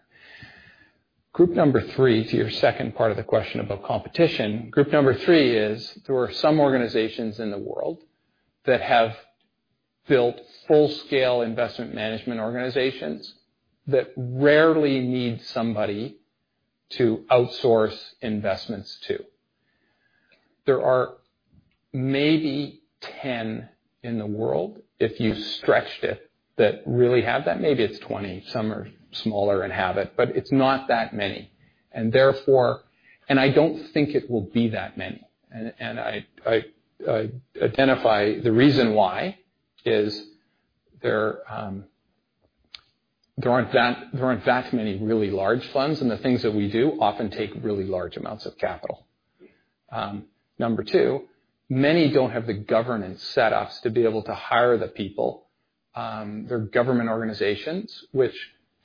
Group number 3, to your second part of the question about competition. Group number 3, there are some organizations in the world that have built full-scale investment management organizations that rarely need somebody to outsource investments to. There are maybe 10 in the world, if you stretched it, that really have that. Maybe it's 20. Some are smaller and have it, but it's not that many. I don't think it will be that many. I identify the reason why is there aren't that many really large funds, and the things that we do often take really large amounts of capital. Number 2, many don't have the governance setups to be able to hire the people. They're government organizations, which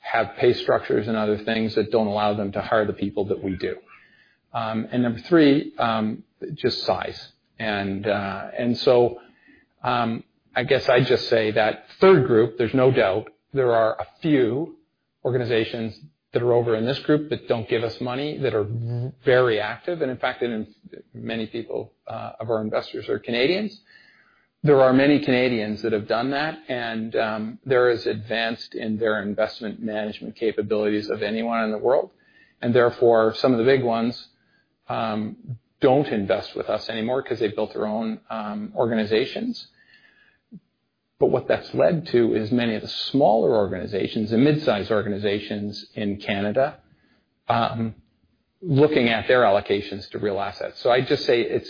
have pay structures and other things that don't allow them to hire the people that we do. Number 3, just size. I guess I'd just say that third group, there's no doubt there are a few organizations that are over in this group that don't give us money, that are very active. In fact, many people of our investors are Canadians. There are many Canadians that have done that, and they're as advanced in their investment management capabilities of anyone in the world. Therefore, some of the big ones don't invest with us anymore because they've built their own organizations. What that's led to is many of the smaller organizations, the mid-size organizations in Canada, looking at their allocations to real assets. I'd just say,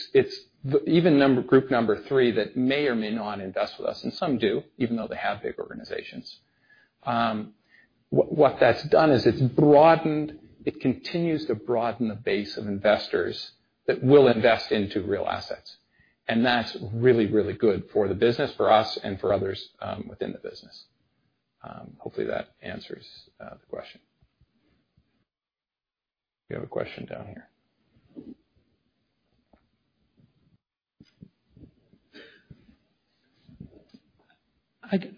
even group number 3 that may or may not invest with us, and some do, even though they have big organizations. What that's done is it continues to broaden the base of investors that will invest into real assets. That's really, really good for the business, for us, and for others within the business. Hopefully, that answers the question. We have a question down here.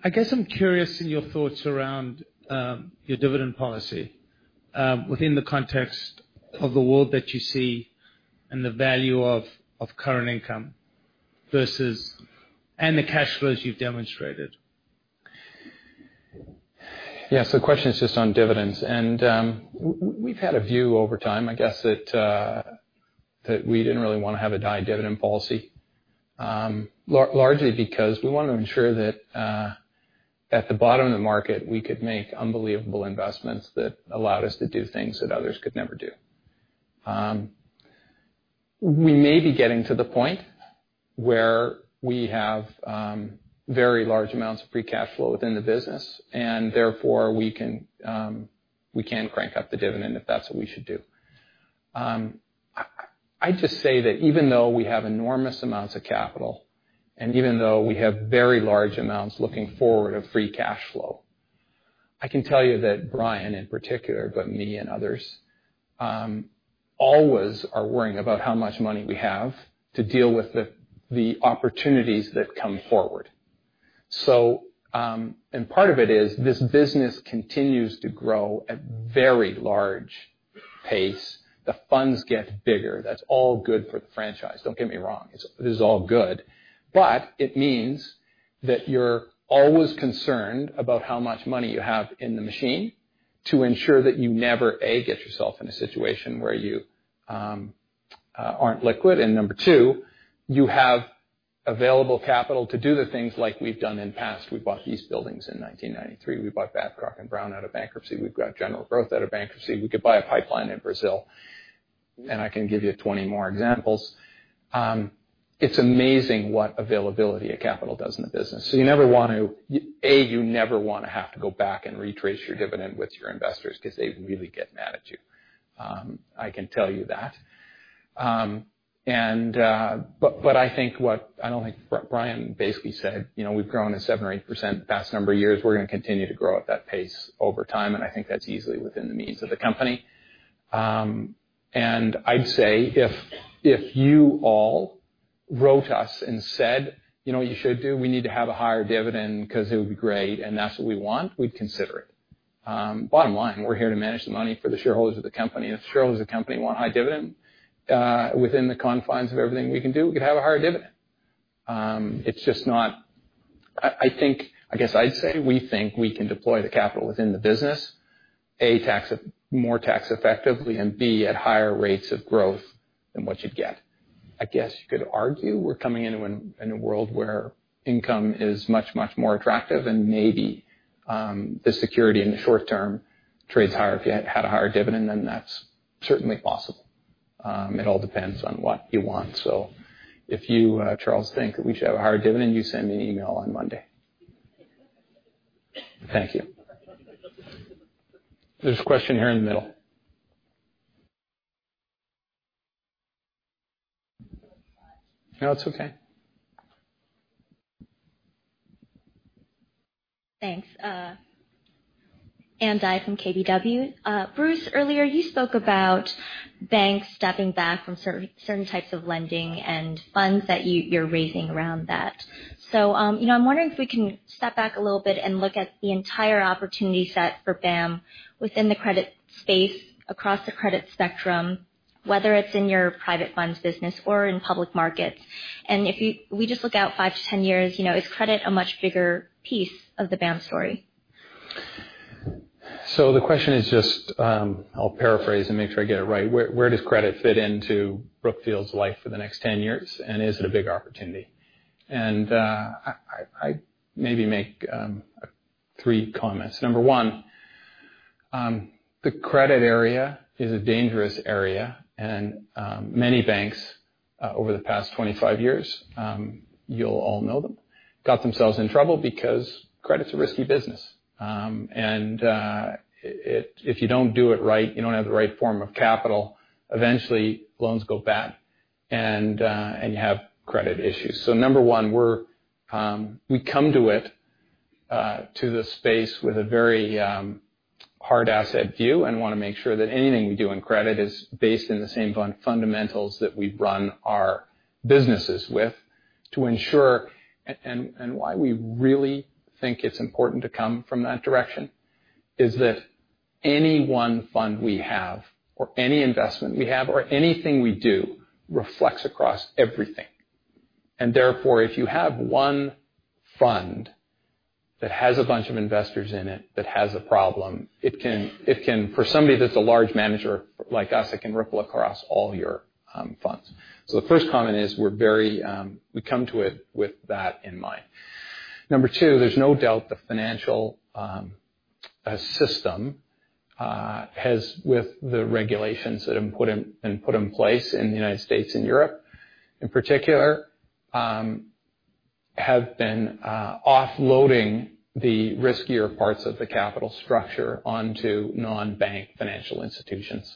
I guess I'm curious in your thoughts around your dividend policy within the context of the world that you see and the value of current income and the cash flows you've demonstrated. Yes, the question is just on dividends. We've had a view over time, I guess, that we didn't really want to have a high dividend policy. Largely because we wanted to ensure that at the bottom of the market, we could make unbelievable investments that allowed us to do things that others could never do. We may be getting to the point where we have very large amounts of free cash flow within the business, and therefore, we can crank up the dividend if that's what we should do. I'd just say that even though we have enormous amounts of capital, and even though we have very large amounts looking forward of free cash flow, I can tell you that Brian, in particular, but me and others, always are worrying about how much money we have to deal with the opportunities that come forward. Part of it is this business continues to grow at a very large pace. The funds get bigger. That's all good for the franchise, don't get me wrong. This is all good. It means that you're always concerned about how much money you have in the machine. To ensure that you never, A, get yourself in a situation where you aren't liquid. Number two, you have available capital to do the things like we've done in the past. We bought these buildings in 1993. We bought Babcock & Brown out of bankruptcy. We've got General Growth out of bankruptcy. We could buy a pipeline in Brazil. I can give you 20 more examples. It's amazing what availability of capital does in the business. You never want to, A, you never want to have to go back and retrace your dividend with your investors because they really get mad at you. I can tell you that. I think what Brian basically said, we've grown a 7% or 8% the past number of years. We're going to continue to grow at that pace over time, and I think that's easily within the means of the company. I'd say if you all wrote to us and said, "You know what you should do? We need to have a higher dividend because it would be great, and that's what we want," we'd consider it. Bottom line, we're here to manage the money for the shareholders of the company, and if the shareholders of the company want a high dividend, within the confines of everything we can do, we could have a higher dividend. I guess I'd say, we think we can deploy the capital within the business, A, more tax effectively, and B, at higher rates of growth than what you'd get. I guess you could argue we're coming into a world where income is much, much more attractive, and maybe the security in the short term trades higher. If you had a higher dividend, then that's certainly possible. It all depends on what you want. If you, Charles, think that we should have a higher dividend, you send me an email on Monday. Thank you. There's a question here in the middle. No, it's okay. Thanks. Ann Dai from KBW. Bruce, earlier you spoke about banks stepping back from certain types of lending and funds that you're raising around that. I'm wondering if we can step back a little bit and look at the entire opportunity set for BAM within the credit space, across the credit spectrum, whether it's in your private funds business or in public markets. If we just look out 5 to 10 years, is credit a much bigger piece of the BAM story? The question is just, I'll paraphrase and make sure I get it right. Where does credit fit into Brookfield's life for the next 10 years, and is it a big opportunity? I maybe make three comments. Number one, the credit area is a dangerous area, and many banks over the past 25 years, you'll all know them, got themselves in trouble because credit's a risky business. If you don't do it right, you don't have the right form of capital, eventually loans go bad, and you have credit issues. Number one, we come to it, to the space with a very hard asset view and want to make sure that anything we do in credit is based on the same fundamentals that we run our businesses with to ensure. Why we really think it's important to come from that direction is that any one fund we have, or any investment we have, or anything we do reflects across everything. If you have one fund that has a bunch of investors in it that has a problem, for somebody that's a large manager like us, it can ripple across all your funds. The first comment is we come to it with that in mind. Number two, there's no doubt the financial system, with the regulations that have been put in place in the U.S. and Europe in particular, have been offloading the riskier parts of the capital structure onto non-bank financial institutions.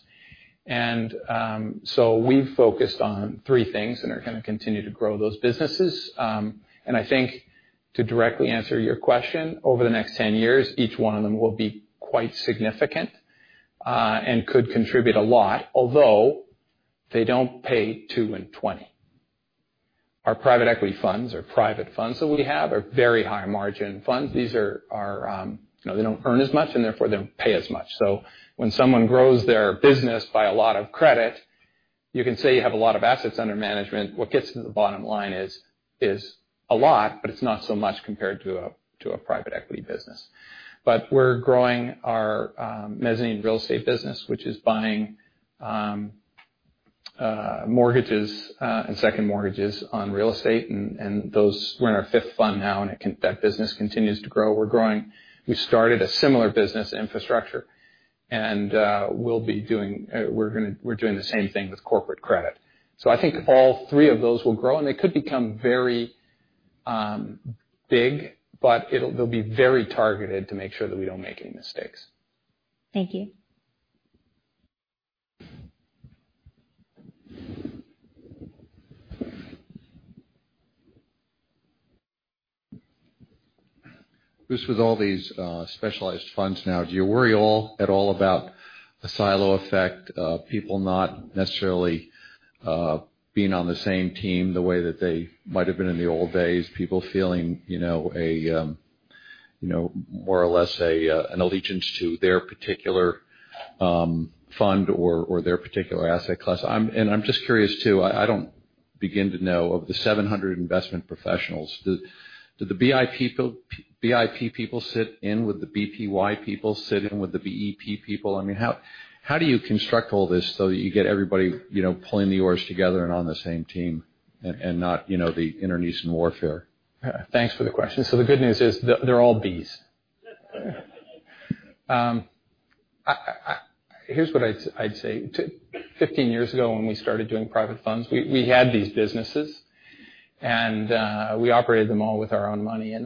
We've focused on three things and are going to continue to grow those businesses. I think to directly answer your question, over the next 10 years, each one of them will be quite significant, and could contribute a lot, although they don't pay two and 20. Our private equity funds or private funds that we have are very high-margin funds. They don't earn as much, and therefore they don't pay as much. When someone grows their business by a lot of credit, you can say you have a lot of assets under management. What gets to the bottom line is a lot, it's not so much compared to a private equity business. We're growing our mezzanine real estate business, which is buying mortgages and second mortgages on real estate, and those, we're in our fifth fund now, and that business continues to grow. We started a similar business infrastructure, and we're doing the same thing with corporate credit. I think all three of those will grow, and they could become very big, but they'll be very targeted to make sure that we don't make any mistakes. Thank you. Bruce, with all these specialized funds now, do you worry at all about a silo effect, people not necessarily being on the same team the way that they might have been in the old days? People feeling more or less an allegiance to their particular fund or their particular asset class? I'm just curious too. Begin to know of the 700 investment professionals. Do the BIP people sit in with the BPY people sit in with the BEP people? How do you construct all this so that you get everybody pulling the oars together and on the same team and not the internecine warfare? Thanks for the question. The good news is they're all Bs. Here's what I'd say. 15 years ago, when we started doing private funds, we had these businesses, and we operated them all with our own money.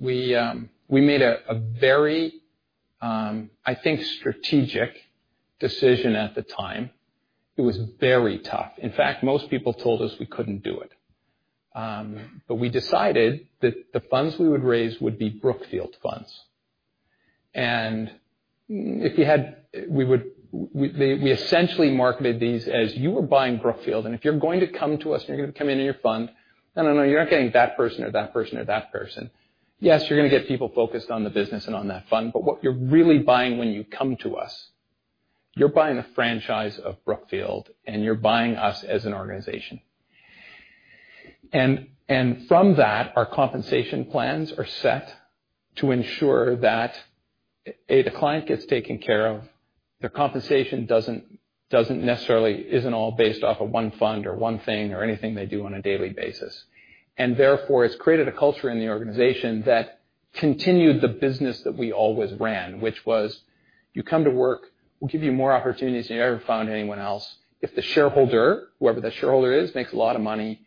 We made a very, I think, strategic decision at the time. It was very tough. In fact, most people told us we couldn't do it. We decided that the funds we would raise would be Brookfield funds. We essentially marketed these as you were buying Brookfield, and if you're going to come to us and you're going to come into your fund, no, you're not getting that person or that person or that person. Yes, you're going to get people focused on the business and on that fund. What you're really buying when you come to us, you're buying the franchise of Brookfield, and you're buying us as an organization. From that, our compensation plans are set to ensure that, A, the client gets taken care of. Their compensation isn't all based off of one fund or one thing or anything they do on a daily basis. Therefore, it's created a culture in the organization that continued the business that we always ran, which was, you come to work, we'll give you more opportunities than you ever found anyone else. If the shareholder, whoever that shareholder is, makes a lot of money,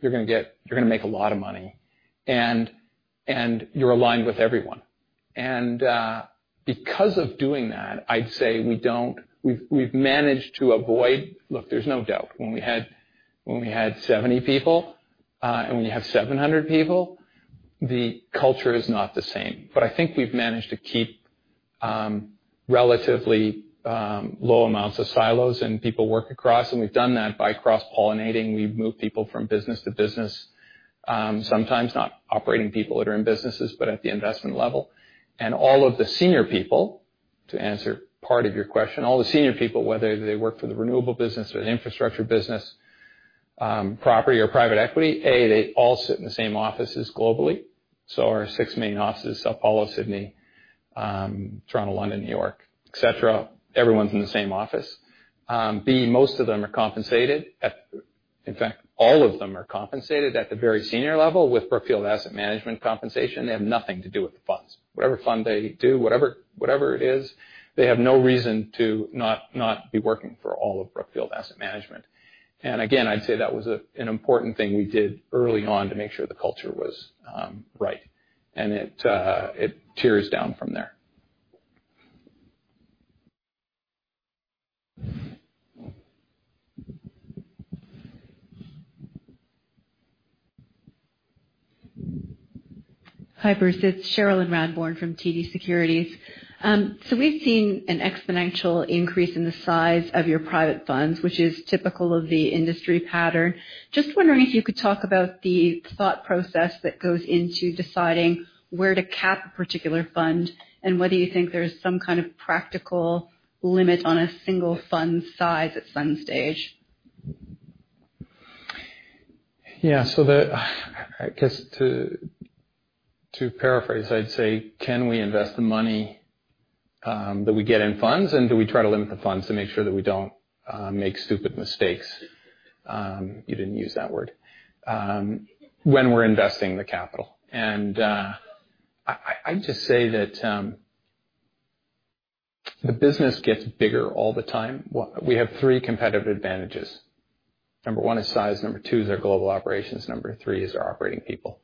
you're going to make a lot of money, and you're aligned with everyone. Because of doing that, I'd say we've managed to avoid Look, there's no doubt when we had 70 people, and when you have 700 people, the culture is not the same. I think we've managed to keep relatively low amounts of silos and people work across, and we've done that by cross-pollinating. We've moved people from business to business. Sometimes not operating people that are in businesses, but at the investment level. All of the senior people, to answer part of your question, all the senior people, whether they work for the renewable business or the infrastructure business, property or private equity, A, they all sit in the same offices globally. Our six main offices, São Paulo, Sydney, Toronto, London, New York, et cetera, everyone's in the same office. B, most of them are compensated. In fact, all of them are compensated at the very senior level with Brookfield Asset Management compensation. They have nothing to do with the funds. Whatever fund they do, whatever it is, they have no reason to not be working for all of Brookfield Asset Management. Again, I'd say that was an important thing we did early on to make sure the culture was right. It tiers down from there. Hi, Bruce. It's Cherilyn Radbourne from TD Securities. We've seen an exponential increase in the size of your private funds, which is typical of the industry pattern. Just wondering if you could talk about the thought process that goes into deciding where to cap a particular fund, and whether you think there's some kind of practical limit on a single fund size at some stage. Yeah. I guess to paraphrase, I'd say, can we invest the money that we get in funds, and do we try to limit the funds to make sure that we don't make stupid mistakes? You didn't use that word. When we're investing the capital. I'd just say that the business gets bigger all the time. We have three competitive advantages. Number one is size, number two is our global operations, number three is our operating people.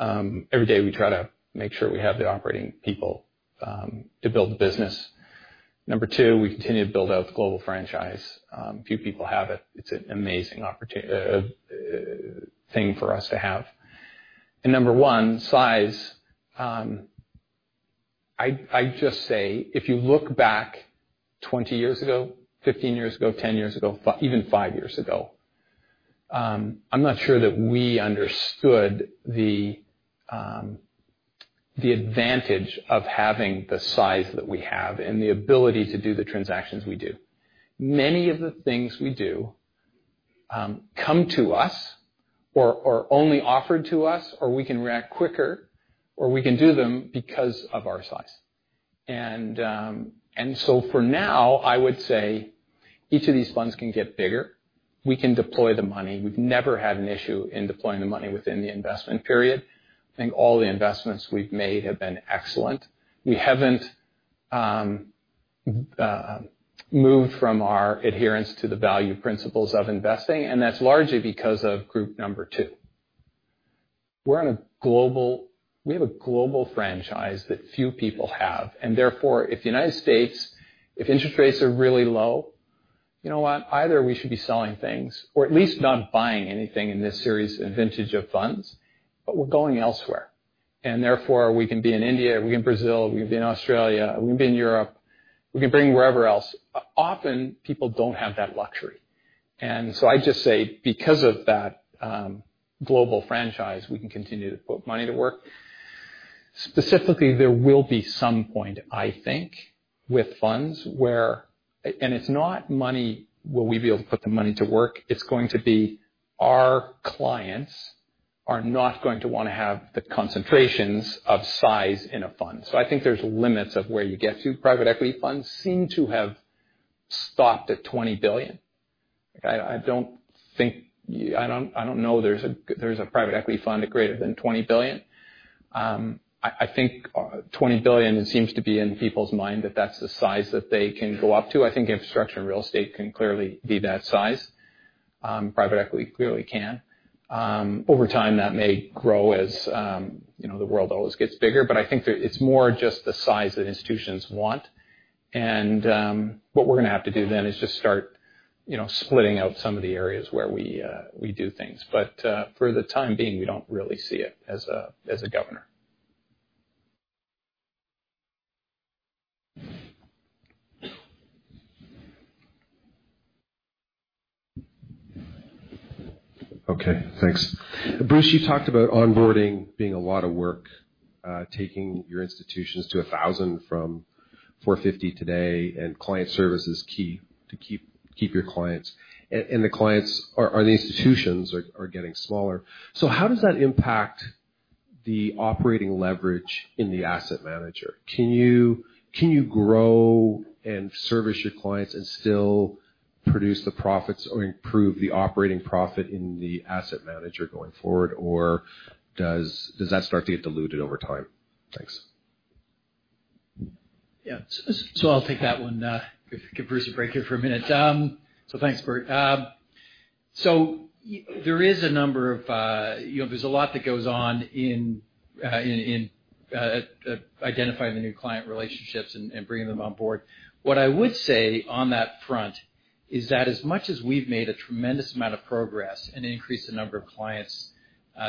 Every day, we try to make sure we have the operating people to build the business. Number two, we continue to build out the global franchise. Few people have it. It's an amazing thing for us to have. Number one, size. I just say if you look back 20 years ago, 15 years ago, 10 years ago, even five years ago, I'm not sure that we understood the advantage of having the size that we have and the ability to do the transactions we do. Many of the things we do come to us or are only offered to us, or we can react quicker, or we can do them because of our size. For now, I would say each of these funds can get bigger. We can deploy the money. We've never had an issue in deploying the money within the investment period. I think all the investments we've made have been excellent. We haven't moved from our adherence to the value principles of investing, and that's largely because of group number two. We have a global franchise that few people have, and therefore, if U.S., if interest rates are really low, you know what? Either we should be selling things or at least not buying anything in this series and vintage of funds, but we're going elsewhere. Therefore, we can be in India, we can be in Brazil, we can be in Australia, we can be in Europe, we can be wherever else. Often people don't have that luxury. I just say because of that global franchise, we can continue to put money to work. Specifically, there will be some point, I think, with funds where it's not money, will we be able to put the money to work? It's going to be our clients are not going to want to have the concentrations of size in a fund. I think there's limits of where you get to. Private equity funds seem to have stopped at $20 billion. I don't know there's a private equity fund at greater than $20 billion. I think $20 billion seems to be in people's mind that that's the size that they can go up to. I think infrastructure and real estate can clearly be that size. Private equity clearly can't. Over time, that may grow as the world always gets bigger, but I think that it's more just the size that institutions want. What we're going to have to do then is just start splitting out some of the areas where we do things. For the time being, we don't really see it as a governor. Thanks. Bruce, you talked about onboarding being a lot of work, taking your institutions to 1,000 from 450 today. Client service is key to keep your clients. The clients or the institutions are getting smaller. How does that impact the operating leverage in the asset manager? Can you grow and service your clients and still produce the profits or improve the operating profit in the asset manager going forward? Does that start to get diluted over time? Thanks. I'll take that one, give Bruce a break here for a minute. Thanks, Bert. There's a lot that goes on in identifying the new client relationships and bringing them on board. What I would say on that front is that as much as we've made a tremendous amount of progress and increased the number of clients,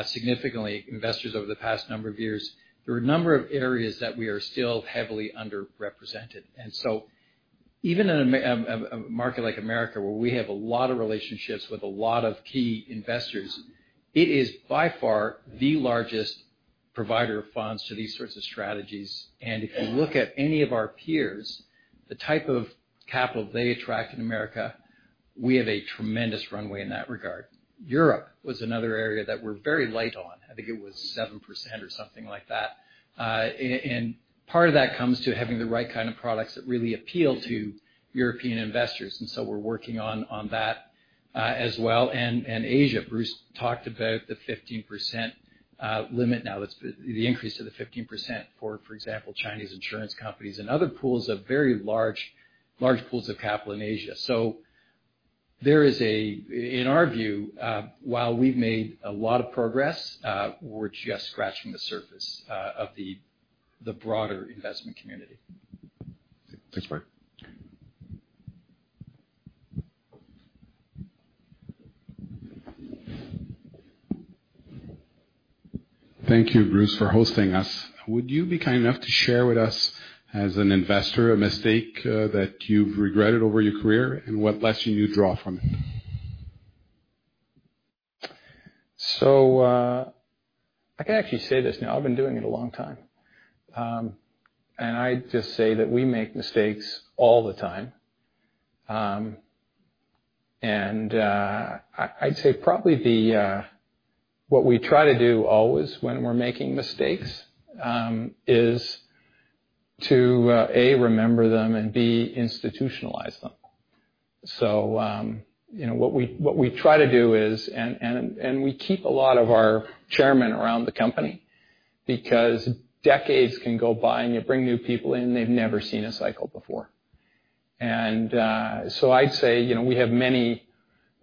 significantly investors over the past number of years, there are a number of areas that we are still heavily underrepresented. Even in a market like America, where we have a lot of relationships with a lot of key investors, it is by far the largest provider of funds to these sorts of strategies. If you look at any of our peers, the type of capital they attract in America, we have a tremendous runway in that regard. Europe was another area that we're very light on. I think it was 7% or something like that. Part of that comes to having the right kind of products that really appeal to European investors, and we're working on that as well. Asia, Bruce talked about the 15% limit now. The increase to the 15%, for example, Chinese insurance companies and other pools of very large pools of capital in Asia. There is a in our view, while we've made a lot of progress, we're just scratching the surface of the broader investment community. Thanks, Bert. Thank you, Bruce, for hosting us. Would you be kind enough to share with us as an investor, a mistake that you've regretted over your career, and what lesson you draw from it? I can actually say this now. I've been doing it a long time. I'd just say that we make mistakes all the time. I'd say probably what we try to do always when we're making mistakes, is to, A, remember them and, B, institutionalize them. What we try to do is we keep a lot of our chairmen around the company because decades can go by, and you bring new people in, they've never seen a cycle before. I'd say, we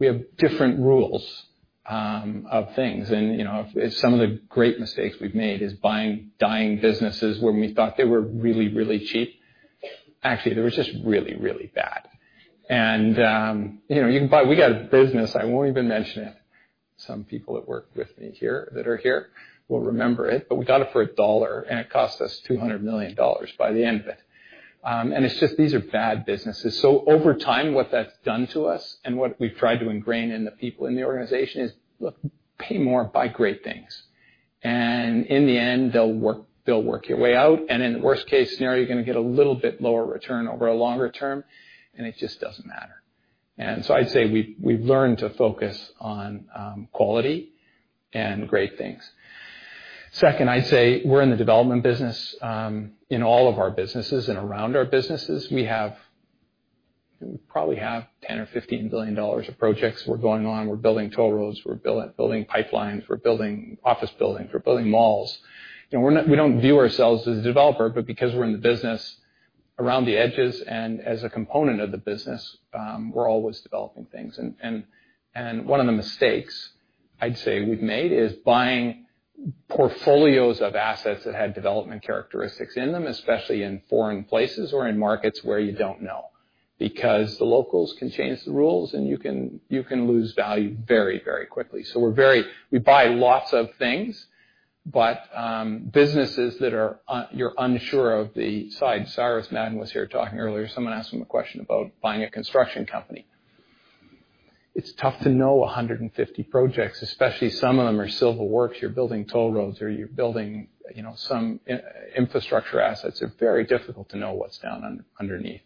have different rules of things. Some of the great mistakes we've made is buying dying businesses when we thought they were really cheap. Actually, they were just really bad. We got a business, I won't even mention it. Some people that work with me here that are here will remember it, but we got it for $1, and it cost us $200 million by the end of it. It's just these are bad businesses. Over time, what that's done to us and what we've tried to ingrain in the people in the organization is, look, pay more, buy great things. In the end, they'll work your way out. In the worst case scenario, you're going to get a little bit lower return over a longer term, and it just doesn't matter. I'd say we've learned to focus on quality and great things. Second, I'd say we're in the development business. In all of our businesses and around our businesses, we probably have $10 billion or $15 billion of projects. We're building toll roads, we're building pipelines, we're building office buildings, we're building malls. We don't view ourselves as a developer, but because we're in the business around the edges and as a component of the business, we're always developing things. One of the mistakes I'd say we've made is buying portfolios of assets that had development characteristics in them, especially in foreign places or in markets where you don't know, because the locals can change the rules and you can lose value very quickly. We buy lots of things, but businesses that you're unsure of the side. Cyrus Madon was here talking earlier. Someone asked him a question about buying a construction company. It's tough to know 150 projects, especially some of them are civil works. You're building toll roads or you're building some infrastructure assets. They're very difficult to know what's down underneath.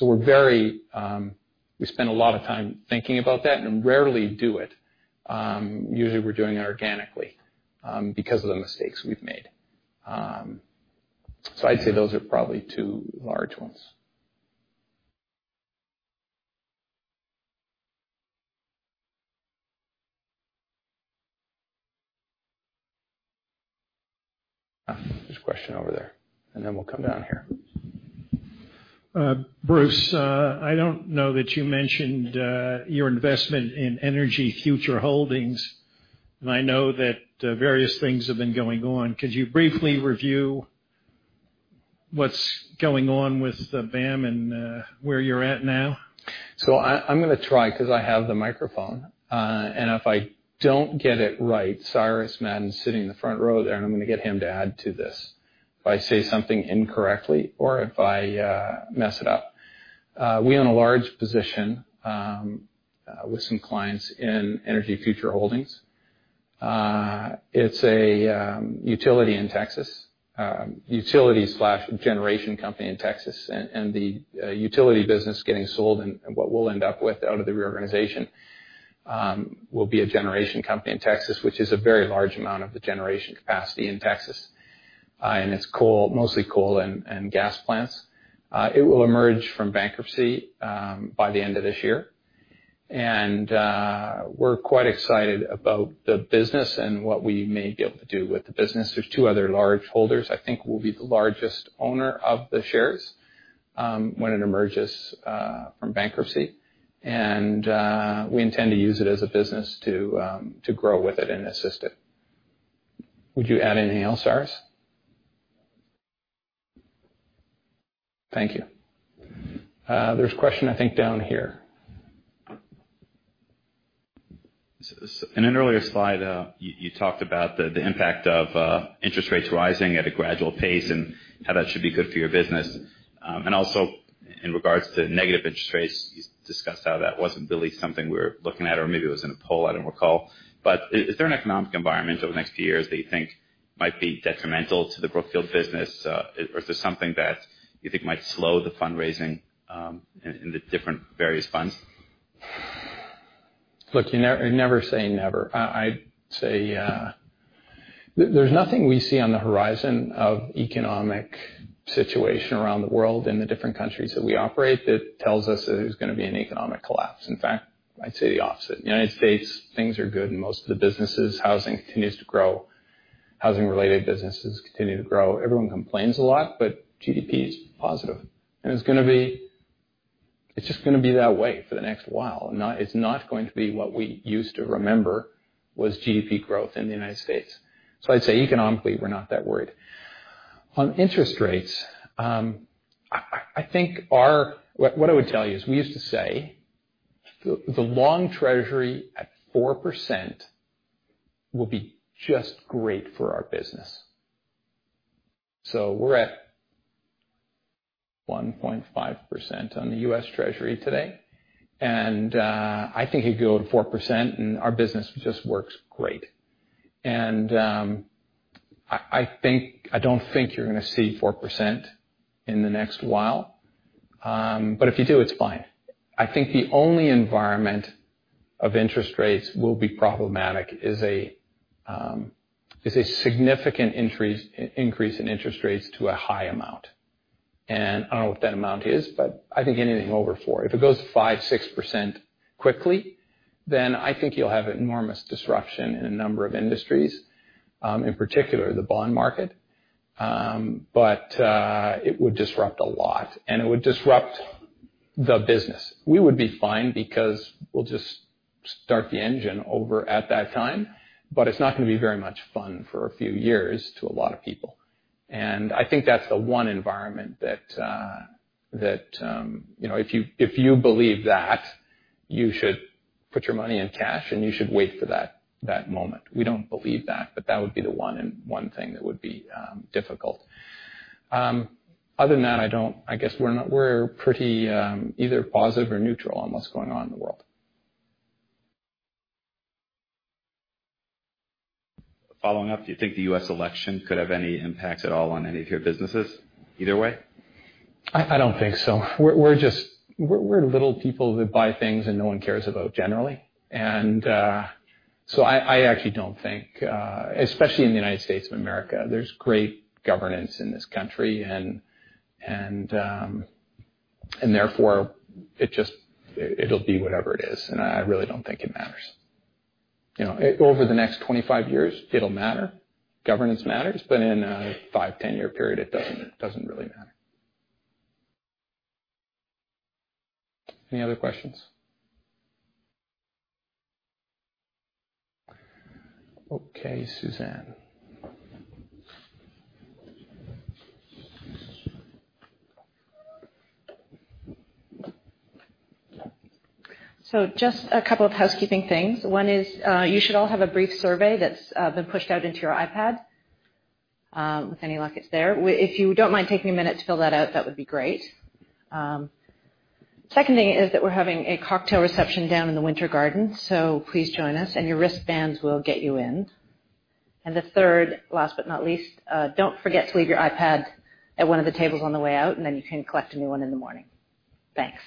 We spend a lot of time thinking about that and rarely do it. Usually, we're doing it organically because of the mistakes we've made. I'd say those are probably two large ones. There's a question over there, we'll come down here. Bruce, I don't know that you mentioned your investment in Energy Future Holdings, I know that various things have been going on. Could you briefly review what's going on with them and where you're at now? I'm going to try because I have the microphone. If I don't get it right, Cyrus Madon's sitting in the front row there, I'm going to get him to add to this if I say something incorrectly or if I mess it up. We own a large position with some clients in Energy Future Holdings. It's a utility in Texas. Utility/generation company in Texas, the utility business getting sold and what we'll end up with out of the reorganization will be a generation company in Texas, which is a very large amount of the generation capacity in Texas. It's mostly coal and gas plants. It will emerge from bankruptcy by the end of this year. We're quite excited about the business and what we may be able to do with the business. There's two other large holders. I think we'll be the largest owner of the shares when it emerges from bankruptcy. We intend to use it as a business to grow with it and assist it. Would you add anything else, Cyrus? Thank you. There's a question, I think, down here. In an earlier slide, you talked about the impact of interest rates rising at a gradual pace and how that should be good for your business. Also in regards to negative interest rates, you discussed how that wasn't really something we were looking at, or maybe it was in a poll, I don't recall. Is there an economic environment over the next few years that you think might be detrimental to the Brookfield business? Is there something that you think might slow the fundraising in the different various funds? Look, never say never. There's nothing we see on the horizon of economic situation around the world in the different countries that we operate that tells us that there's going to be an economic collapse. In fact, I'd say the opposite. In the U.S., things are good in most of the businesses. Housing continues to grow. Housing-related businesses continue to grow. Everyone complains a lot, but GDP is positive. It's just going to be that way for the next while. It's not going to be what we used to remember was GDP growth in the U.S. I'd say economically, we're not that worried. On interest rates, what I would tell you is we used to say the long Treasury at 4% will be just great for our business. We're at 1.5% on the U.S. Treasury today, I think it could go to 4%, and our business just works great. I don't think you're going to see 4% in the next while, but if you do, it's fine. I think the only environment of interest rates will be problematic is a significant increase in interest rates to a high amount. I don't know what that amount is, but I think anything over 4%. If it goes 5%, 6% quickly, I think you'll have enormous disruption in a number of industries, in particular the bond market. It would disrupt a lot, and it would disrupt the business. We would be fine because we'll just start the engine over at that time, but it's not going to be very much fun for a few years to a lot of people. I think that's the one environment that if you believe that, you should put your money in cash and you should wait for that moment. We don't believe that, but that would be the one thing that would be difficult. Other than that, I guess we're pretty either positive or neutral on what's going on in the world. Following up, do you think the U.S. election could have any impact at all on any of your businesses either way? I don't think so. We're little people who buy things and no one cares about generally. I actually don't think, especially in the U.S. of America, there's great governance in this country, and therefore, it'll be whatever it is, and I really don't think it matters. Over the next 25 years, it'll matter. Governance matters. In a five, 10-year period, it doesn't really matter. Any other questions? Okay, Suzanne. Just a couple of housekeeping things. One is you should all have a brief survey that's been pushed out into your iPad. With any luck, it's there. If you don't mind taking a minute to fill that out, that would be great. Second thing is that we're having a cocktail reception down in the Winter Garden, so please join us, and your wristbands will get you in. The third, last but not least, don't forget to leave your iPad at one of the tables on the way out, and then you can collect a new one in the morning. Thanks.